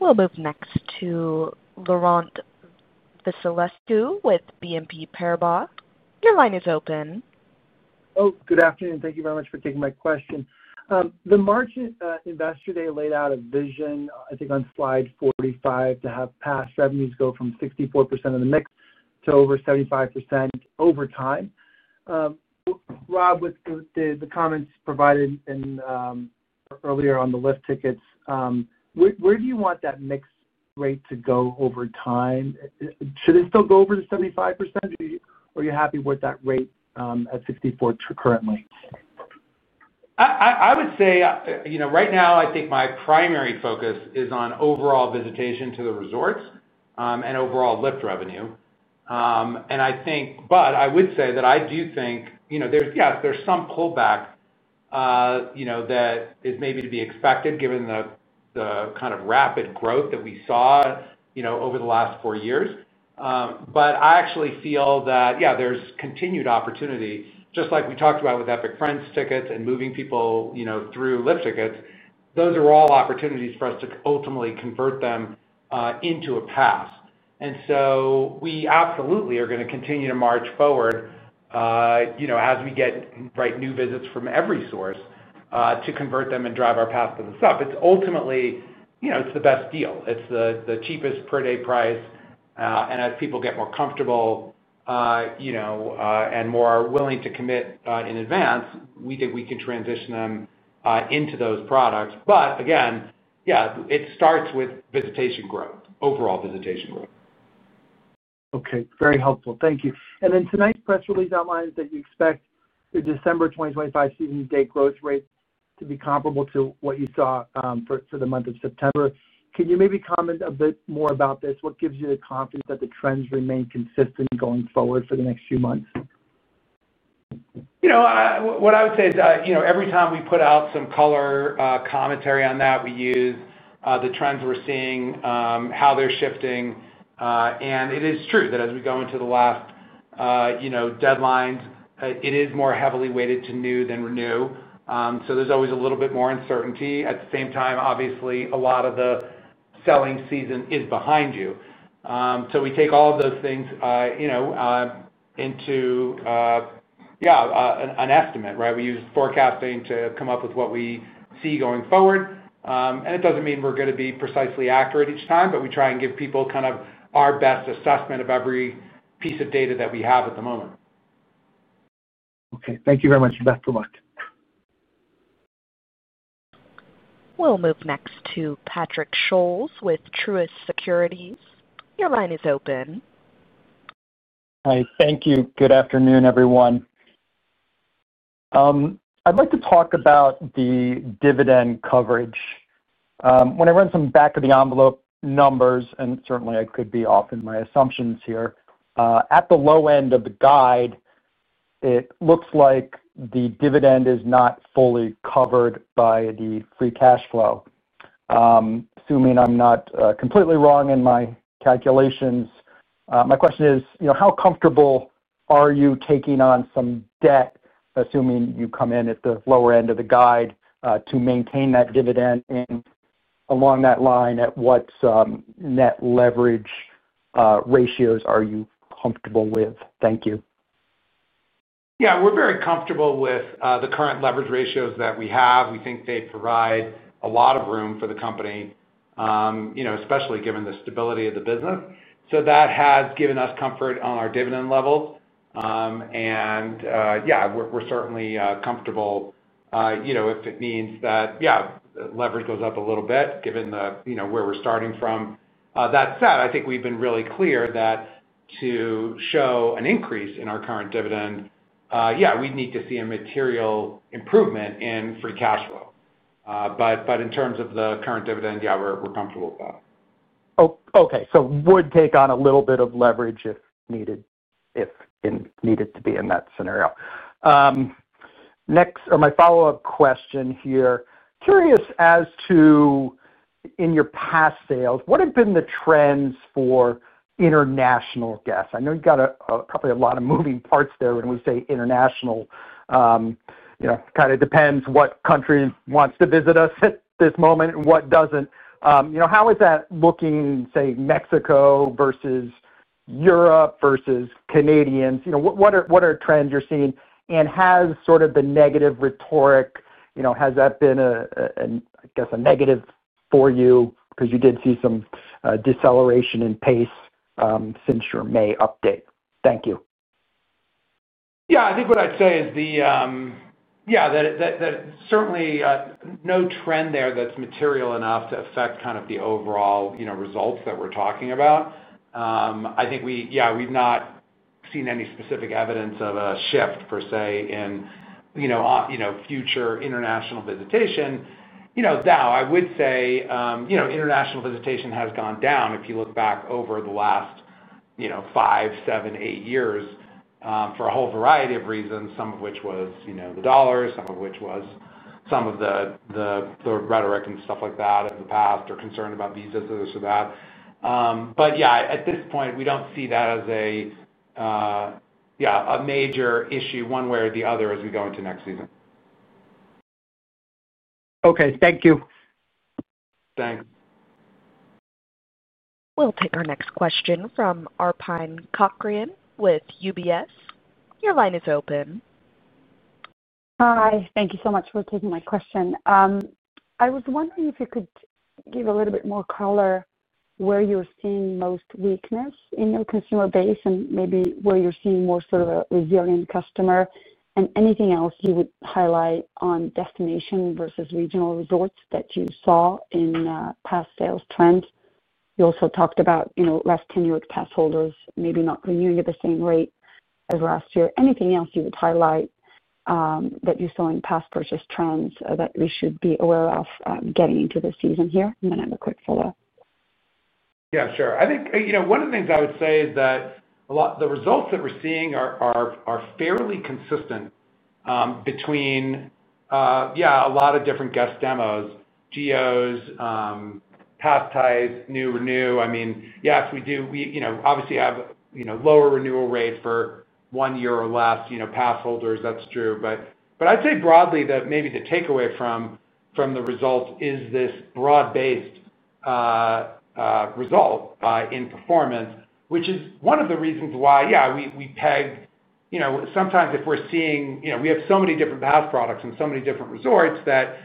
S1: Moving next to Laurent Vasilescu with BNP Paribas. Your line is open.
S8: Oh, good afternoon. Thank you very much for taking my question. The March Investor Day laid out a vision, I think, on slide 45 to have pass revenues go from 64% of the mix to over 75% over time. Rob, with the comments provided earlier on the lift tickets, where do you want that mix rate to go over time? Should it still go over the 75%? Are you happy with that rate at 64% currently?
S3: I would say, you know, right now I think my primary focus is on overall visitation to the resorts and overall lift revenue. I would say that I do think, you know, there's some pullback, you know, that is maybe to be expected given the kind of rapid growth that we saw, you know, over the last four years. I actually feel that, yeah, there's continued opportunity, just like we talked about with Epic Friend Tickets and moving people, you know, through lift tickets. Those are all opportunities for us to ultimately convert them into a pass. We absolutely are going to continue to march forward, you know, as we get new visits from every source to convert them and drive our path to the stuff. It's ultimately, you know, it's the best deal. It's the cheapest per day price. As people get more comfortable, you know, and more willing to commit in advance, we think we can transition them into those products. Again, it starts with visitation growth. Overall visitation growth.
S8: Okay, very helpful. Thank you. Tonight's press release outlines that you expect your December 2025 season date growth rate to be comparable to what you saw for the month of September. Can you maybe comment a bit more about this? What gives you the confidence that the trends remain consistent going forward for the next few months?
S3: What I would say is every time we put out some color commentary on that, we use the trends, we're seeing how they're shifting. It is true that as we go into the last deadlines, it is more heavily weighted to new than renew. There's always a little bit more uncertainty at the same time. Obviously a lot of the selling season is behind you. We take all of those things into an estimate. We use forecasting to come up with what we see going forward. It doesn't mean we're going to be precisely accurate each time, but we try and give people kind of our best assessment of every piece of data that we have at the moment.
S8: Okay, thank you very much. Best of luck.
S1: We'll move next to Patrick Scholes with Truist Securities. Your line is open.
S9: Hi. Thank you. Good afternoon, everyone. I'd like to talk about the dividend coverage. When I run some back of the envelope numbers, and certainly I could be off in my assumptions here, at the low end of the guide, it looks like the dividend is not fully covered by the free cash flow. Assuming I'm not completely wrong in my calculations, my question is how comfortable are you taking on some debt, assuming you come in at the lower end of the guide to maintain that dividend, and along that line, at what net leverage ratios are you comfortable with? Thank you.
S3: Yeah, we're very comfortable with the current leverage ratios that we have. We think they provide a lot of room for the company, especially given the stability of the business. That has given us comfort on our dividend levels, and yeah, we're certainly comfortable if it means that leverage goes up a little bit, given where we're starting from. That said, I think we've been really clear that to show an increase in our current dividend, we'd need to see a material improvement in free cash flow. In terms of the current dividend, yeah, we're comfortable with that.
S9: Okay. So would take on a little bit of leverage if needed, if needed to be in that scenario. Next, my follow-up question here. Curious as to, in your pass sales, what have been the trends for international guests? I know you've got probably a lot of moving parts there. When we say international, kind of depends what country wants to visit us at this moment and what doesn't. How is that looking? Say Mexico versus Europe versus Canadians, what are trends you're seeing and has sort of the negative rhetoric, has that been a, I guess a negative for you because you did see some deceleration in pace since your May update? Thank you.
S3: Yeah, I think what I'd say is that certainly no trend there that's material enough to affect the overall results that we're talking about. I think we've not seen any specific evidence of a shift per se in future international visitation. Now, I would say international visitation has gone down if you look back over the last five, seven, eight years for a whole variety of reasons, some of which was the dollar, some of which was some of the rhetoric and stuff like that of the past or concern about visas or that. At this point, we don't see that as a major issue one way or the other as we go into next season.
S9: Okay, thank you.
S3: Thanks.
S1: We'll take our next question from Arpine Kocharian with UBS. Your line is open.
S10: Hi, thank you so much for taking my question. I was wondering if you could give a little bit more color where you're seeing most weakness in your consumer base and maybe where you're seeing more sort of a resilient customer. Is there anything else you would highlight on destination versus regional resorts that you saw in past sales trends? You also talked about less tenured pass holders maybe not continuing at the same rate as last year. Is there anything else you would highlight that you saw in past purchase trends that we should be aware of getting into the season here? I have a quick follow-up.
S3: Yeah, sure. I think one of the things I would say is that a lot of the results that we're seeing are fairly consistent between a lot of different guest demos, geos, pass type, new, renew. I mean, yes, we do obviously have lower renewal rate for one year or less pass holders. That's true. I'd say broadly that maybe the takeaway from the results is this broad-based result in performance, which is one of the reasons why we pegged, you know, sometimes if we're seeing, we have so many different pass products and so many different resorts that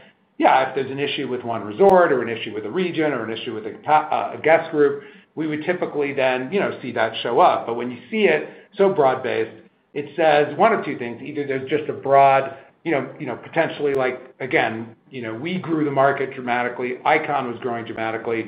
S3: if there's an issue with one resort or an issue with a region or an issue with a guest group, we would typically then see that show up. When you see it so broad-based, it says one of two things. Either there's just a broad, potentially, like again, we grew the market dramatically. Ikon was growing dramatically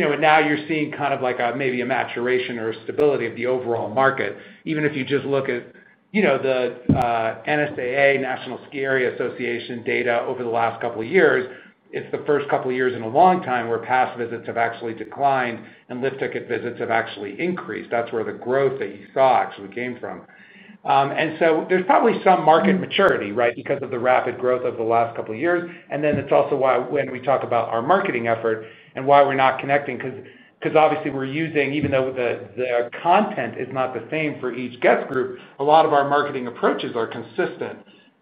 S3: and now you're seeing kind of like maybe a maturation or stability of the overall market. Even if you just look at the NSAA National Ski Areas Association data over the last couple of years, it's the first couple years in a long time where pass visits have actually declined and lift ticket visits have actually increased. That's where the growth that you saw actually came from. There's probably some market maturity because of the rapid growth of the last couple of years. It's also why when we talk about our marketing effort and why we're not connecting, because obviously we're using, even though the content is not the same for each guest group, a lot of our marketing approaches are consistent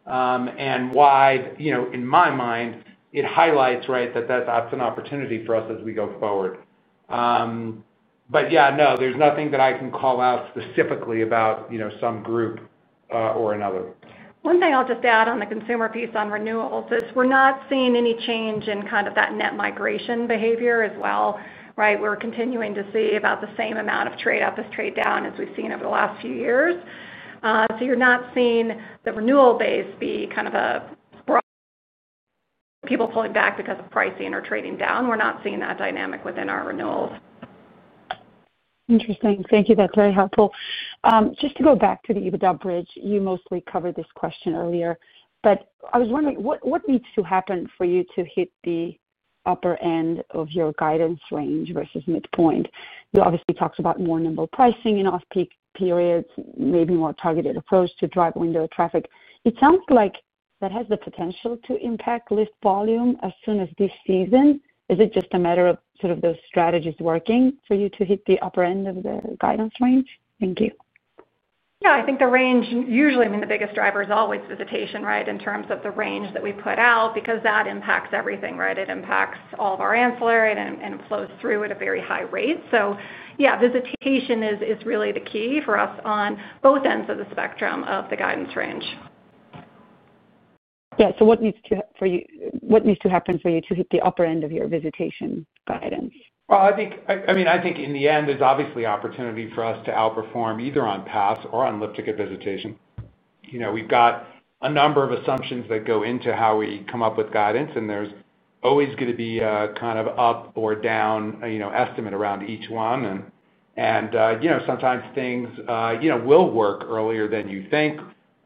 S3: and wide. In my mind, it highlights that that's an opportunity for us as we go forward. There's nothing that I can call out specifically about some group or another.
S2: One thing I'll just add on the consumer piece on renewals is we're not seeing any change in kind of that net migration behavior as well. We're continuing to see about the same amount of trade up as trade down as we've seen over the last few years. You're not seeing the renewal base be kind of a people pulling back because of pricing or trading down. We're not seeing that dynamic within our renewal.
S10: Interesting. Thank you, that's very helpful. Just to go back to the EBITDA bridge, you mostly covered this question earlier, but I was wondering what needs to happen for you to hit the upper end of your guidance range versus midpoint? You obviously talked about more nimble pricing in off peak periods. Maybe more targeted approach to drive window traffic. It sounds like that has the potential to impact list volume as soon as this season. Is it just a matter of sort of those strategies working for you to hit the upper end of the guidance range? Thank you.
S2: I think the range usually, I mean the biggest driver is always visitation. In terms of the range that we put out because that impacts everything. It impacts all of our ancillary and flows through at a very high rate. Visitation is really the key for us on both ends of the spectrum of the guidance range.
S10: What needs to, for you, what needs to happen for you to hit the upper end of your visitation guidance?
S3: I think in the end there's obviously opportunity for us to outperform either on pass or on lift ticket visitation. We've got a number of assumptions that go into how we come up with guidance, and there's always going to be kind of up or down estimate around each one. Sometimes things will work earlier than you think.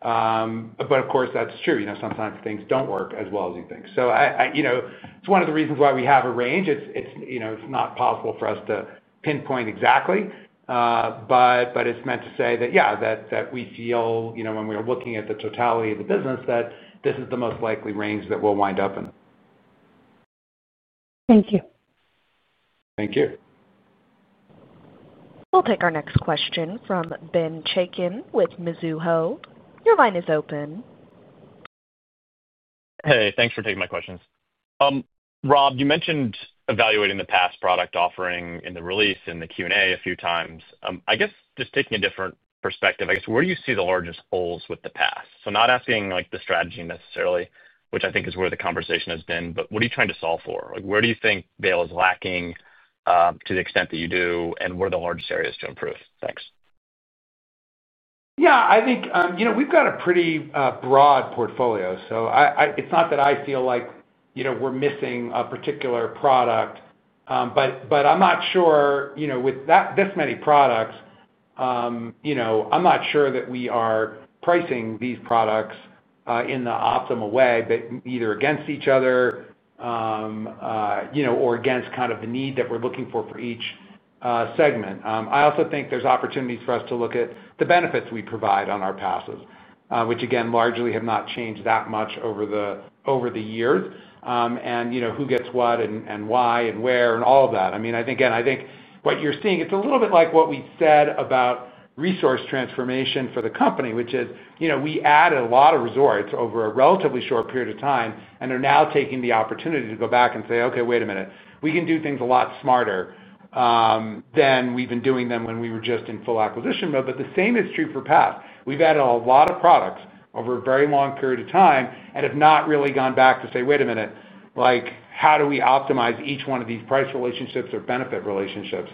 S3: Of course, that's true. Sometimes things don't work as well as you think. It's one of the reasons why we have a range. It's not possible for us to pinpoint exactly, but it's meant to say that we feel when we are looking at the totality of the business that this is the most likely range that we'll wind up in.
S10: Thank you.
S3: Thank you.
S1: We'll take our next question from Ben Chaiken with Mizuho. Your line is open.
S11: Hey, thanks for taking my questions. Rob, you mentioned evaluating the pass product offering in the release and the Q&A a few times. I guess just taking a different perspective. Where do you see the largest holes with the pass? Not asking like the strategy necessarily, which I think is where the conversation has been, but what are you trying to solve for? Where do you think Vail is lacking to the extent that you do and where are the largest areas to improve? Thanks.
S3: Yeah, I think we've got a pretty broad portfolio. It's not that I feel like we're missing a particular product, but I'm not sure, with this many products, that we are pricing these products in the optimal way, either against each other or against the need that we're looking for for each segment. I also think there's opportunities for us to look at the benefits we provide on our passes, which again largely have not changed that much over the years, and who gets what and why and where and all of that. I think what you're seeing, it's a little bit like what we said about resource transformation for the company, which is, we added a lot of resorts over a relatively short period of time and are now taking the opportunity to go back and say, okay, wait a minute, we can do things a lot smarter than we've been doing them when we were just in full acquisition mode. The same is true for pass. We've added a lot of products over a very long period of time and have not really gone back to say, wait a minute, how do we optimize each one of these price relationships or benefit relationships?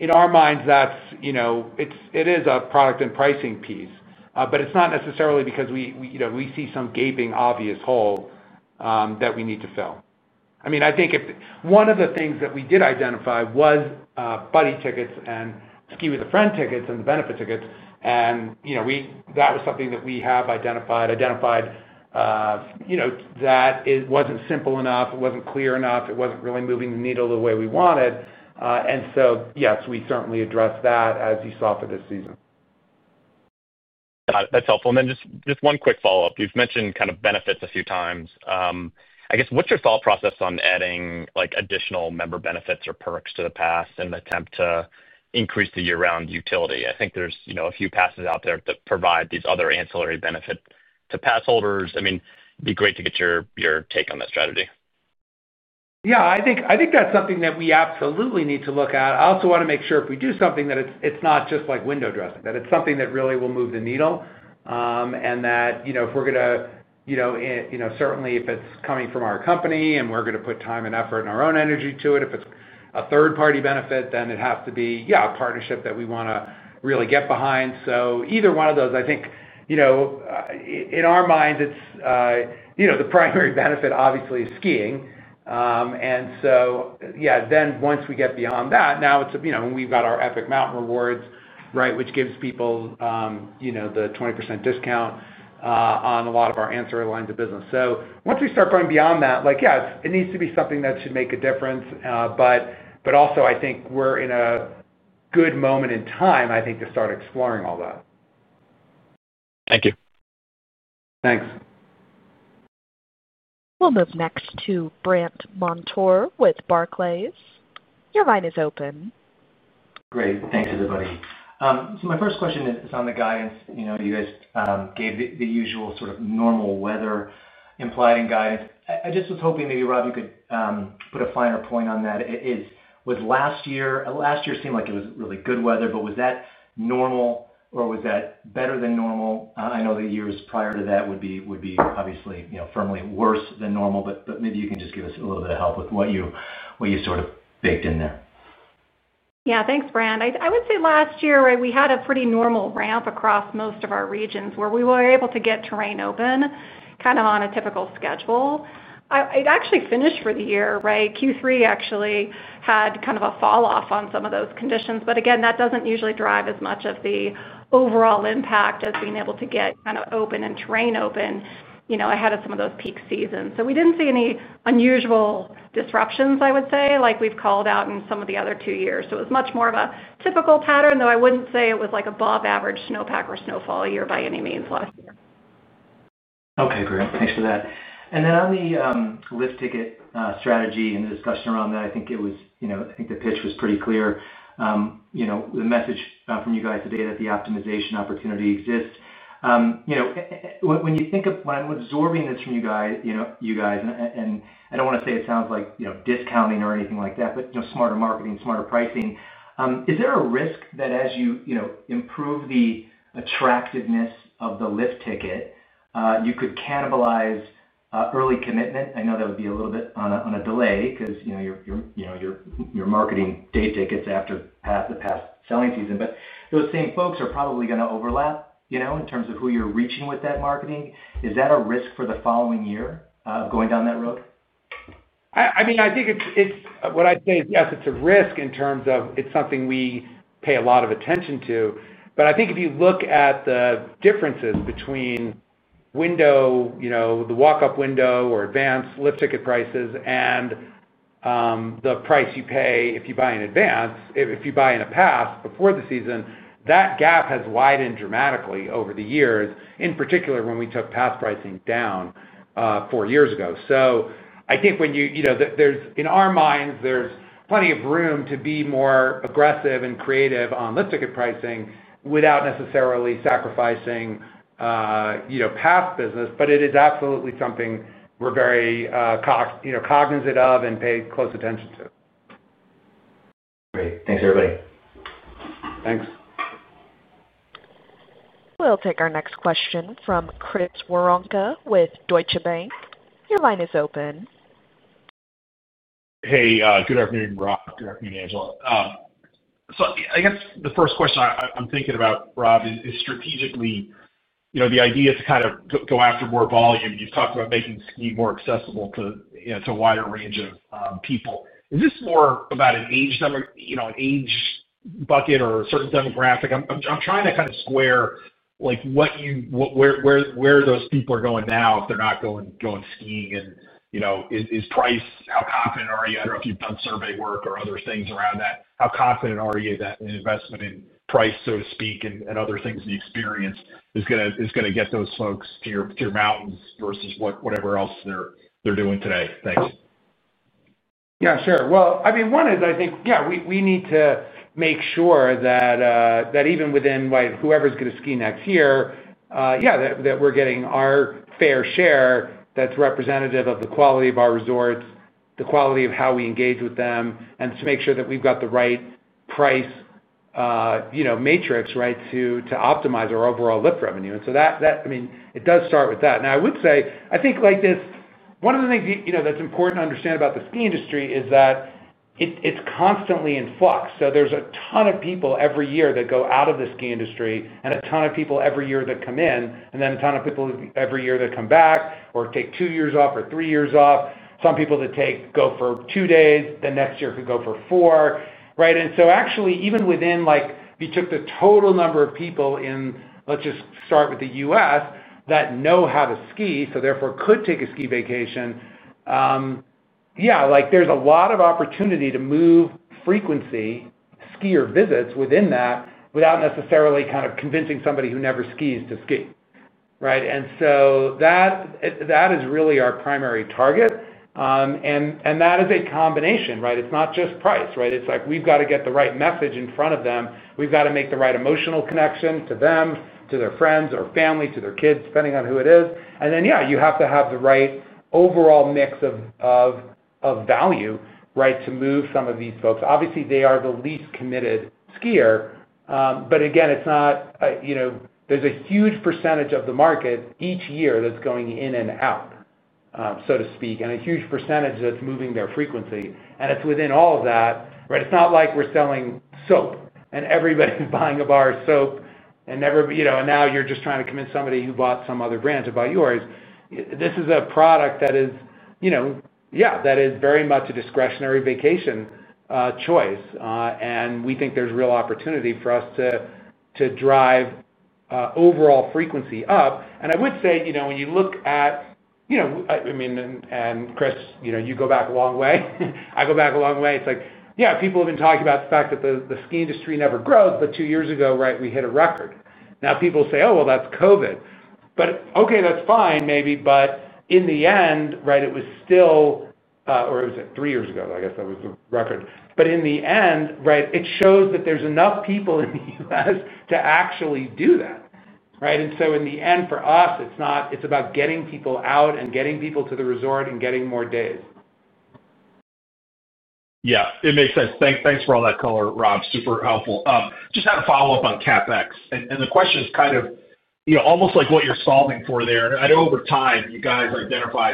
S3: In our minds, it is a product and pricing piece, but it's not necessarily because we see some gaping, obvious hole that we need to fill. I think one of the things that we did identify was Buddy tickets and Epic Friend Tickets and the benefit tickets. That was something that we identified, it wasn't simple enough, it wasn't clear enough, it wasn't really moving the needle the way we wanted. Yes, we certainly addressed that, as you saw for this season.
S11: Got it. That's helpful. And then just one quick follow-up. You've mentioned kind of benefits a few times, I guess. What's your thought process on adding additional member benefits or perks to the pass and attempt to increase the year-round utility? I think there's a few passes out there that provide these other ancillary benefits to pass holders. It'd be great to get your take on that strategy.
S3: I think that's something that we absolutely need to look at. I also want to make sure if we do something that it's not just like window dressing, that it's something that really will move the needle and that, you know, if we're going to, certainly if it's coming from our company and we're going to put time and effort and our own energy to it. If it's a third-party benefit, then it has to be a partnership that we want to really get behind. Either one of those, I think, in our minds, the primary benefit obviously is skiing. Once we get beyond that, now it's, when we've got our Epic Mountain Rewards, which gives people the 20% discount on a lot of our ancillary lines of business. Once we start going beyond that, it needs to be something that should make a difference. Also, I think we're in a good moment in time to start exploring all that.
S11: Thank you.
S3: Thanks.
S1: We'll move next to Brandt Montour with Barclays. Your line is open.
S12: Great, thanks, everybody. My first question is on the guidance. You know, you guys gave the usual sort of normal weather implied in guidance. I just was hoping maybe Rob could put a finer point on that. Last year seemed like it was really good weather, but was that normal or was that better than normal? I know the years prior to that would be obviously firmly worse than normal, but maybe you can just give us a little bit of help with what you sort of baked in there.
S2: Yeah. Thanks, Brandt. I would say last year we had a pretty normal ramp across most of our regions where we were able to get terrain open kind of on a typical schedule. It actually finished for the year. Q3 actually had kind of a fall off on some of those conditions. Again, that doesn't usually drive as much of the overall impact as being able to get kind of open and terrain open ahead of some of those peak seasons. We didn't see any unusual disruptions, I would say like we've called out in some of the other two years. It was much more of a typical pattern, though I wouldn't say it was like above average snowpack or snowfall year by any means last year.
S12: Okay, great, thanks for that. On the lift ticket strategy and the discussion around that, I think it was, you know, I think the pitch was pretty clear. The message from you guys today is that the optimization opportunity exists. When I'm absorbing this from you guys, you guys, and I don't want to say it sounds like discounting or anything like that, but smarter marketing, smarter pricing. Is there a risk that as you improve the attractiveness of the lift ticket, you could cannibalize early commitment? I know that would be a little bit on a delay because you're marketing day tickets after the pass selling season. Those same folks are probably going to overlap in terms of who you're reaching with that marketing. Is that a risk for the following year going down that road?
S3: I think it's what I'd say, yes, it's a risk in terms of, it's something we pay a lot of attention to. If you look at the differences between window, the walk up window or advance lift ticket prices and the price you pay if you buy in advance, if you buy in a pass before the season, that gap has widened dramatically over the years. In particular when we took pass pricing down four years ago. When you, you know, there's in our minds there's plenty of room to be more aggressive and creative on lift ticket pricing without necessarily sacrificing pass business. It is absolutely something we're very cognizant of and pay close attention to.
S12: Great. Thanks everybody.
S3: Thanks.
S1: We'll take our next question from Chris Woronka with Deutsche Bank. Your line is open.
S13: Hey, good afternoon, Rob. Good afternoon, Angela. I guess the first question I'm thinking about, Rob, is strategically, you know, the idea to kind of go after more volume. You just talked about making ski more accessible to a wider range of people. Is this more about an age, you know, an age bucket or a certain demographic? I'm trying to kind of square, like, where those people are going now if they're not going skiing and, you know, is price, how confident are you? I don't know if you've done survey work or other things around that. How confident are you that an investment in price, so to speak, and other things in the experience is going to get those folks to your mountains versus whatever else they're doing today? Thanks.
S3: Yeah, sure. One is, I think, yeah, we need to make sure that even within whoever is going to ski next year, that we're getting our fair share. That's representative of the quality of our resorts, the quality of how we engage with them, and to make sure that we've got the right price, you know, matrix to optimize our overall lift revenue. That does start with that. I would say, I think, like, this is one of the things that's important to understand about the ski industry. It's constantly in flux. There's a ton of people every year that go out of the ski industry and a ton of people every year that come in, and then a ton of people every year that come back or take two years off or three years off. Some people that go for two days the next year could go for four. Actually, even within, like, if we took the total number of people in, let's just start with the U.S., that know how to ski, so therefore could take a ski vacation, there's a lot of opportunity to move frequency skier visits within that without necessarily convincing somebody who never skis to ski. That is really our primary target. That is a combination, right? It's not just price. We've got to get the right message in front of them. We've got to make the right emotional connection to them, to their friends or family, to their kids, depending on who it is. You have to have the right overall mix of value to move. Some of these folks, obviously, they are the least committed skier, but again, it's not, you know, there's a huge percentage of the market each year that's going in and out, so to speak, and a huge percentage that's moving their frequency. It's within all of that. It's not like we're selling soap and everybody's buying a bar of soap, and now you're just trying to convince somebody who bought some other brand to buy yours. This is a product that is, you know, yeah, that is very much a discretionary vacation choice. We think there's real opportunity for us to drive overall frequency up. I would say, you know, when you look at, you know, I mean, and Chris, you know, you go back a long way, I go back a long way. It's like, yeah, people have been talking about the fact that the ski industry never grows, but two years ago, right, we hit a record. Now people say, oh, well, that's Covid, but okay, that's fine, maybe. In the end, right, it was still, or was it three years ago? I guess that was the record. In the end, right, it shows that there's enough people in the U.S. to actually do that. In the end, for us, it's not, it's about getting people out and getting people to the resort and getting more days.
S13: Yeah, it makes sense. Thanks. Thanks for all that color, Rob. Super helpful. Just had a follow-up on CapEx and the question is kind of, you know, almost like what you're solving for there. I know with Ty that you guys identify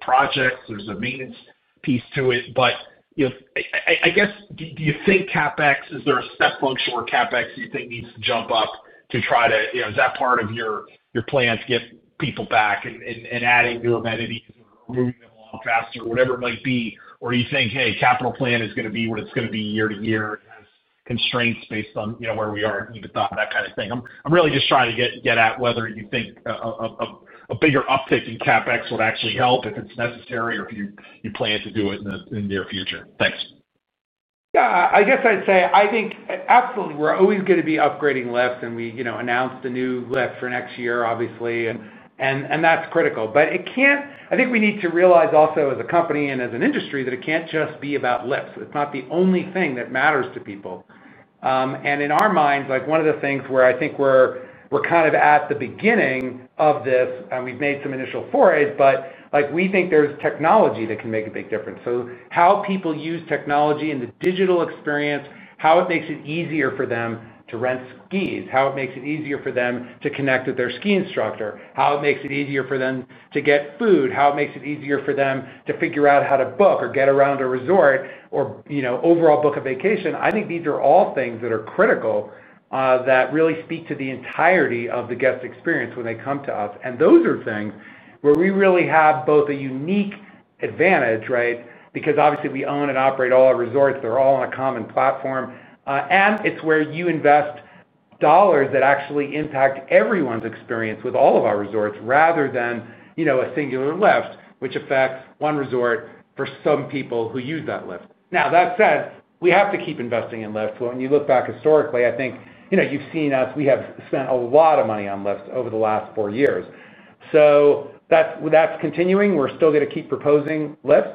S13: projects. There's a maintenance piece to it, but, you know, I guess. Do you think CapEx, is there a step function or CapEx you think needs to jump up to try to, you know, is that part of your plans, get people back and adding new amenity, whatever it might be? Or you think, hey, capital plan is going to be what it's going to be year to year as constraints based on, you know, where we are, EBITDA, that kind of thing. I'm really just trying to get at whether you think a bigger uptick in CapEx would actually help if it's necessary or if you plan to do it in the near future? Thanks.
S3: Yeah, I guess I'd say, I think absolutely. We're always going to be upgrading lifts and we announced a new lift for next year, obviously, and that's critical, but it can't. I think we need to realize also as a company and as an industry that it can't just be about lifts. It's not the only thing that matters to people. In our minds, one of the things where I think we're kind of at the beginning of this and we've made some initial forays, we think there's technology that can make a big difference. How people use technology and the digital experience, how it makes it easier for them to rent skis, how it makes it easier for them to connect with their ski instructor, how it makes it easier for them to get food, how it makes it easier for them to figure out how to book or get around a resort or, you know, overall book a vacation. I think these are all things that are critical that really speak to the entirety of the guest experience when they come to us. Those are things where we really have both a unique advantage, right, because obviously we own and operate all our resorts. They're all on a common platform and it's where you invest dollars that actually impact everyone's experience with all of our resorts, rather than a singular lift which affects one resort for some people who use that lift. That says we have to keep investing in lift. When you look back historically, I think you've seen us, we have spent a lot of money on lifts over the last four years. That's continuing. We're still going to keep proposing lift,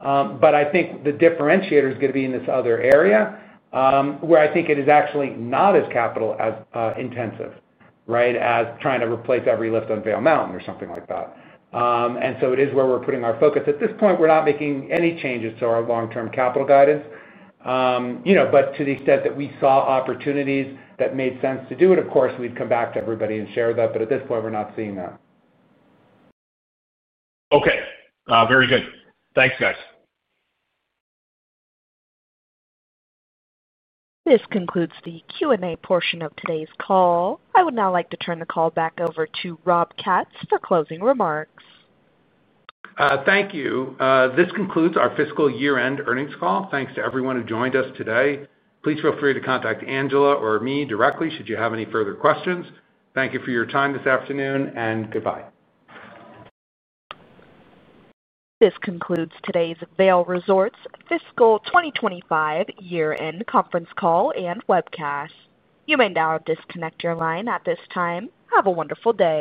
S3: but I think the differentiator is going to be in this other area where I think it is actually not as capital intensive, right, as trying to replace every lift on Vail Mountain or something like that. It is where we're putting our focus at this point. We're not making any changes to our long term capital guidance, but to the extent that we saw opportunities that made sense to do it, of course we'd come back to everybody and share that. At this point we're not seeing that.
S13: Okay, very good. Thanks guys.
S1: This concludes the Q&A portion of today's call. I would now like to turn the call back over to Rob Katz for closing remarks.
S3: Thank you. This concludes our fiscal year-end earnings call. Thanks to everyone who joined us today. Please feel free to contact Angela or me directly should you have any further questions. Thank you for your time this afternoon and goodbye.
S1: This concludes today's Vail Resorts Fiscal 2025 Year-End Conference Call and Webcast. You may now disconnect your line at this time. Have a wonderful day.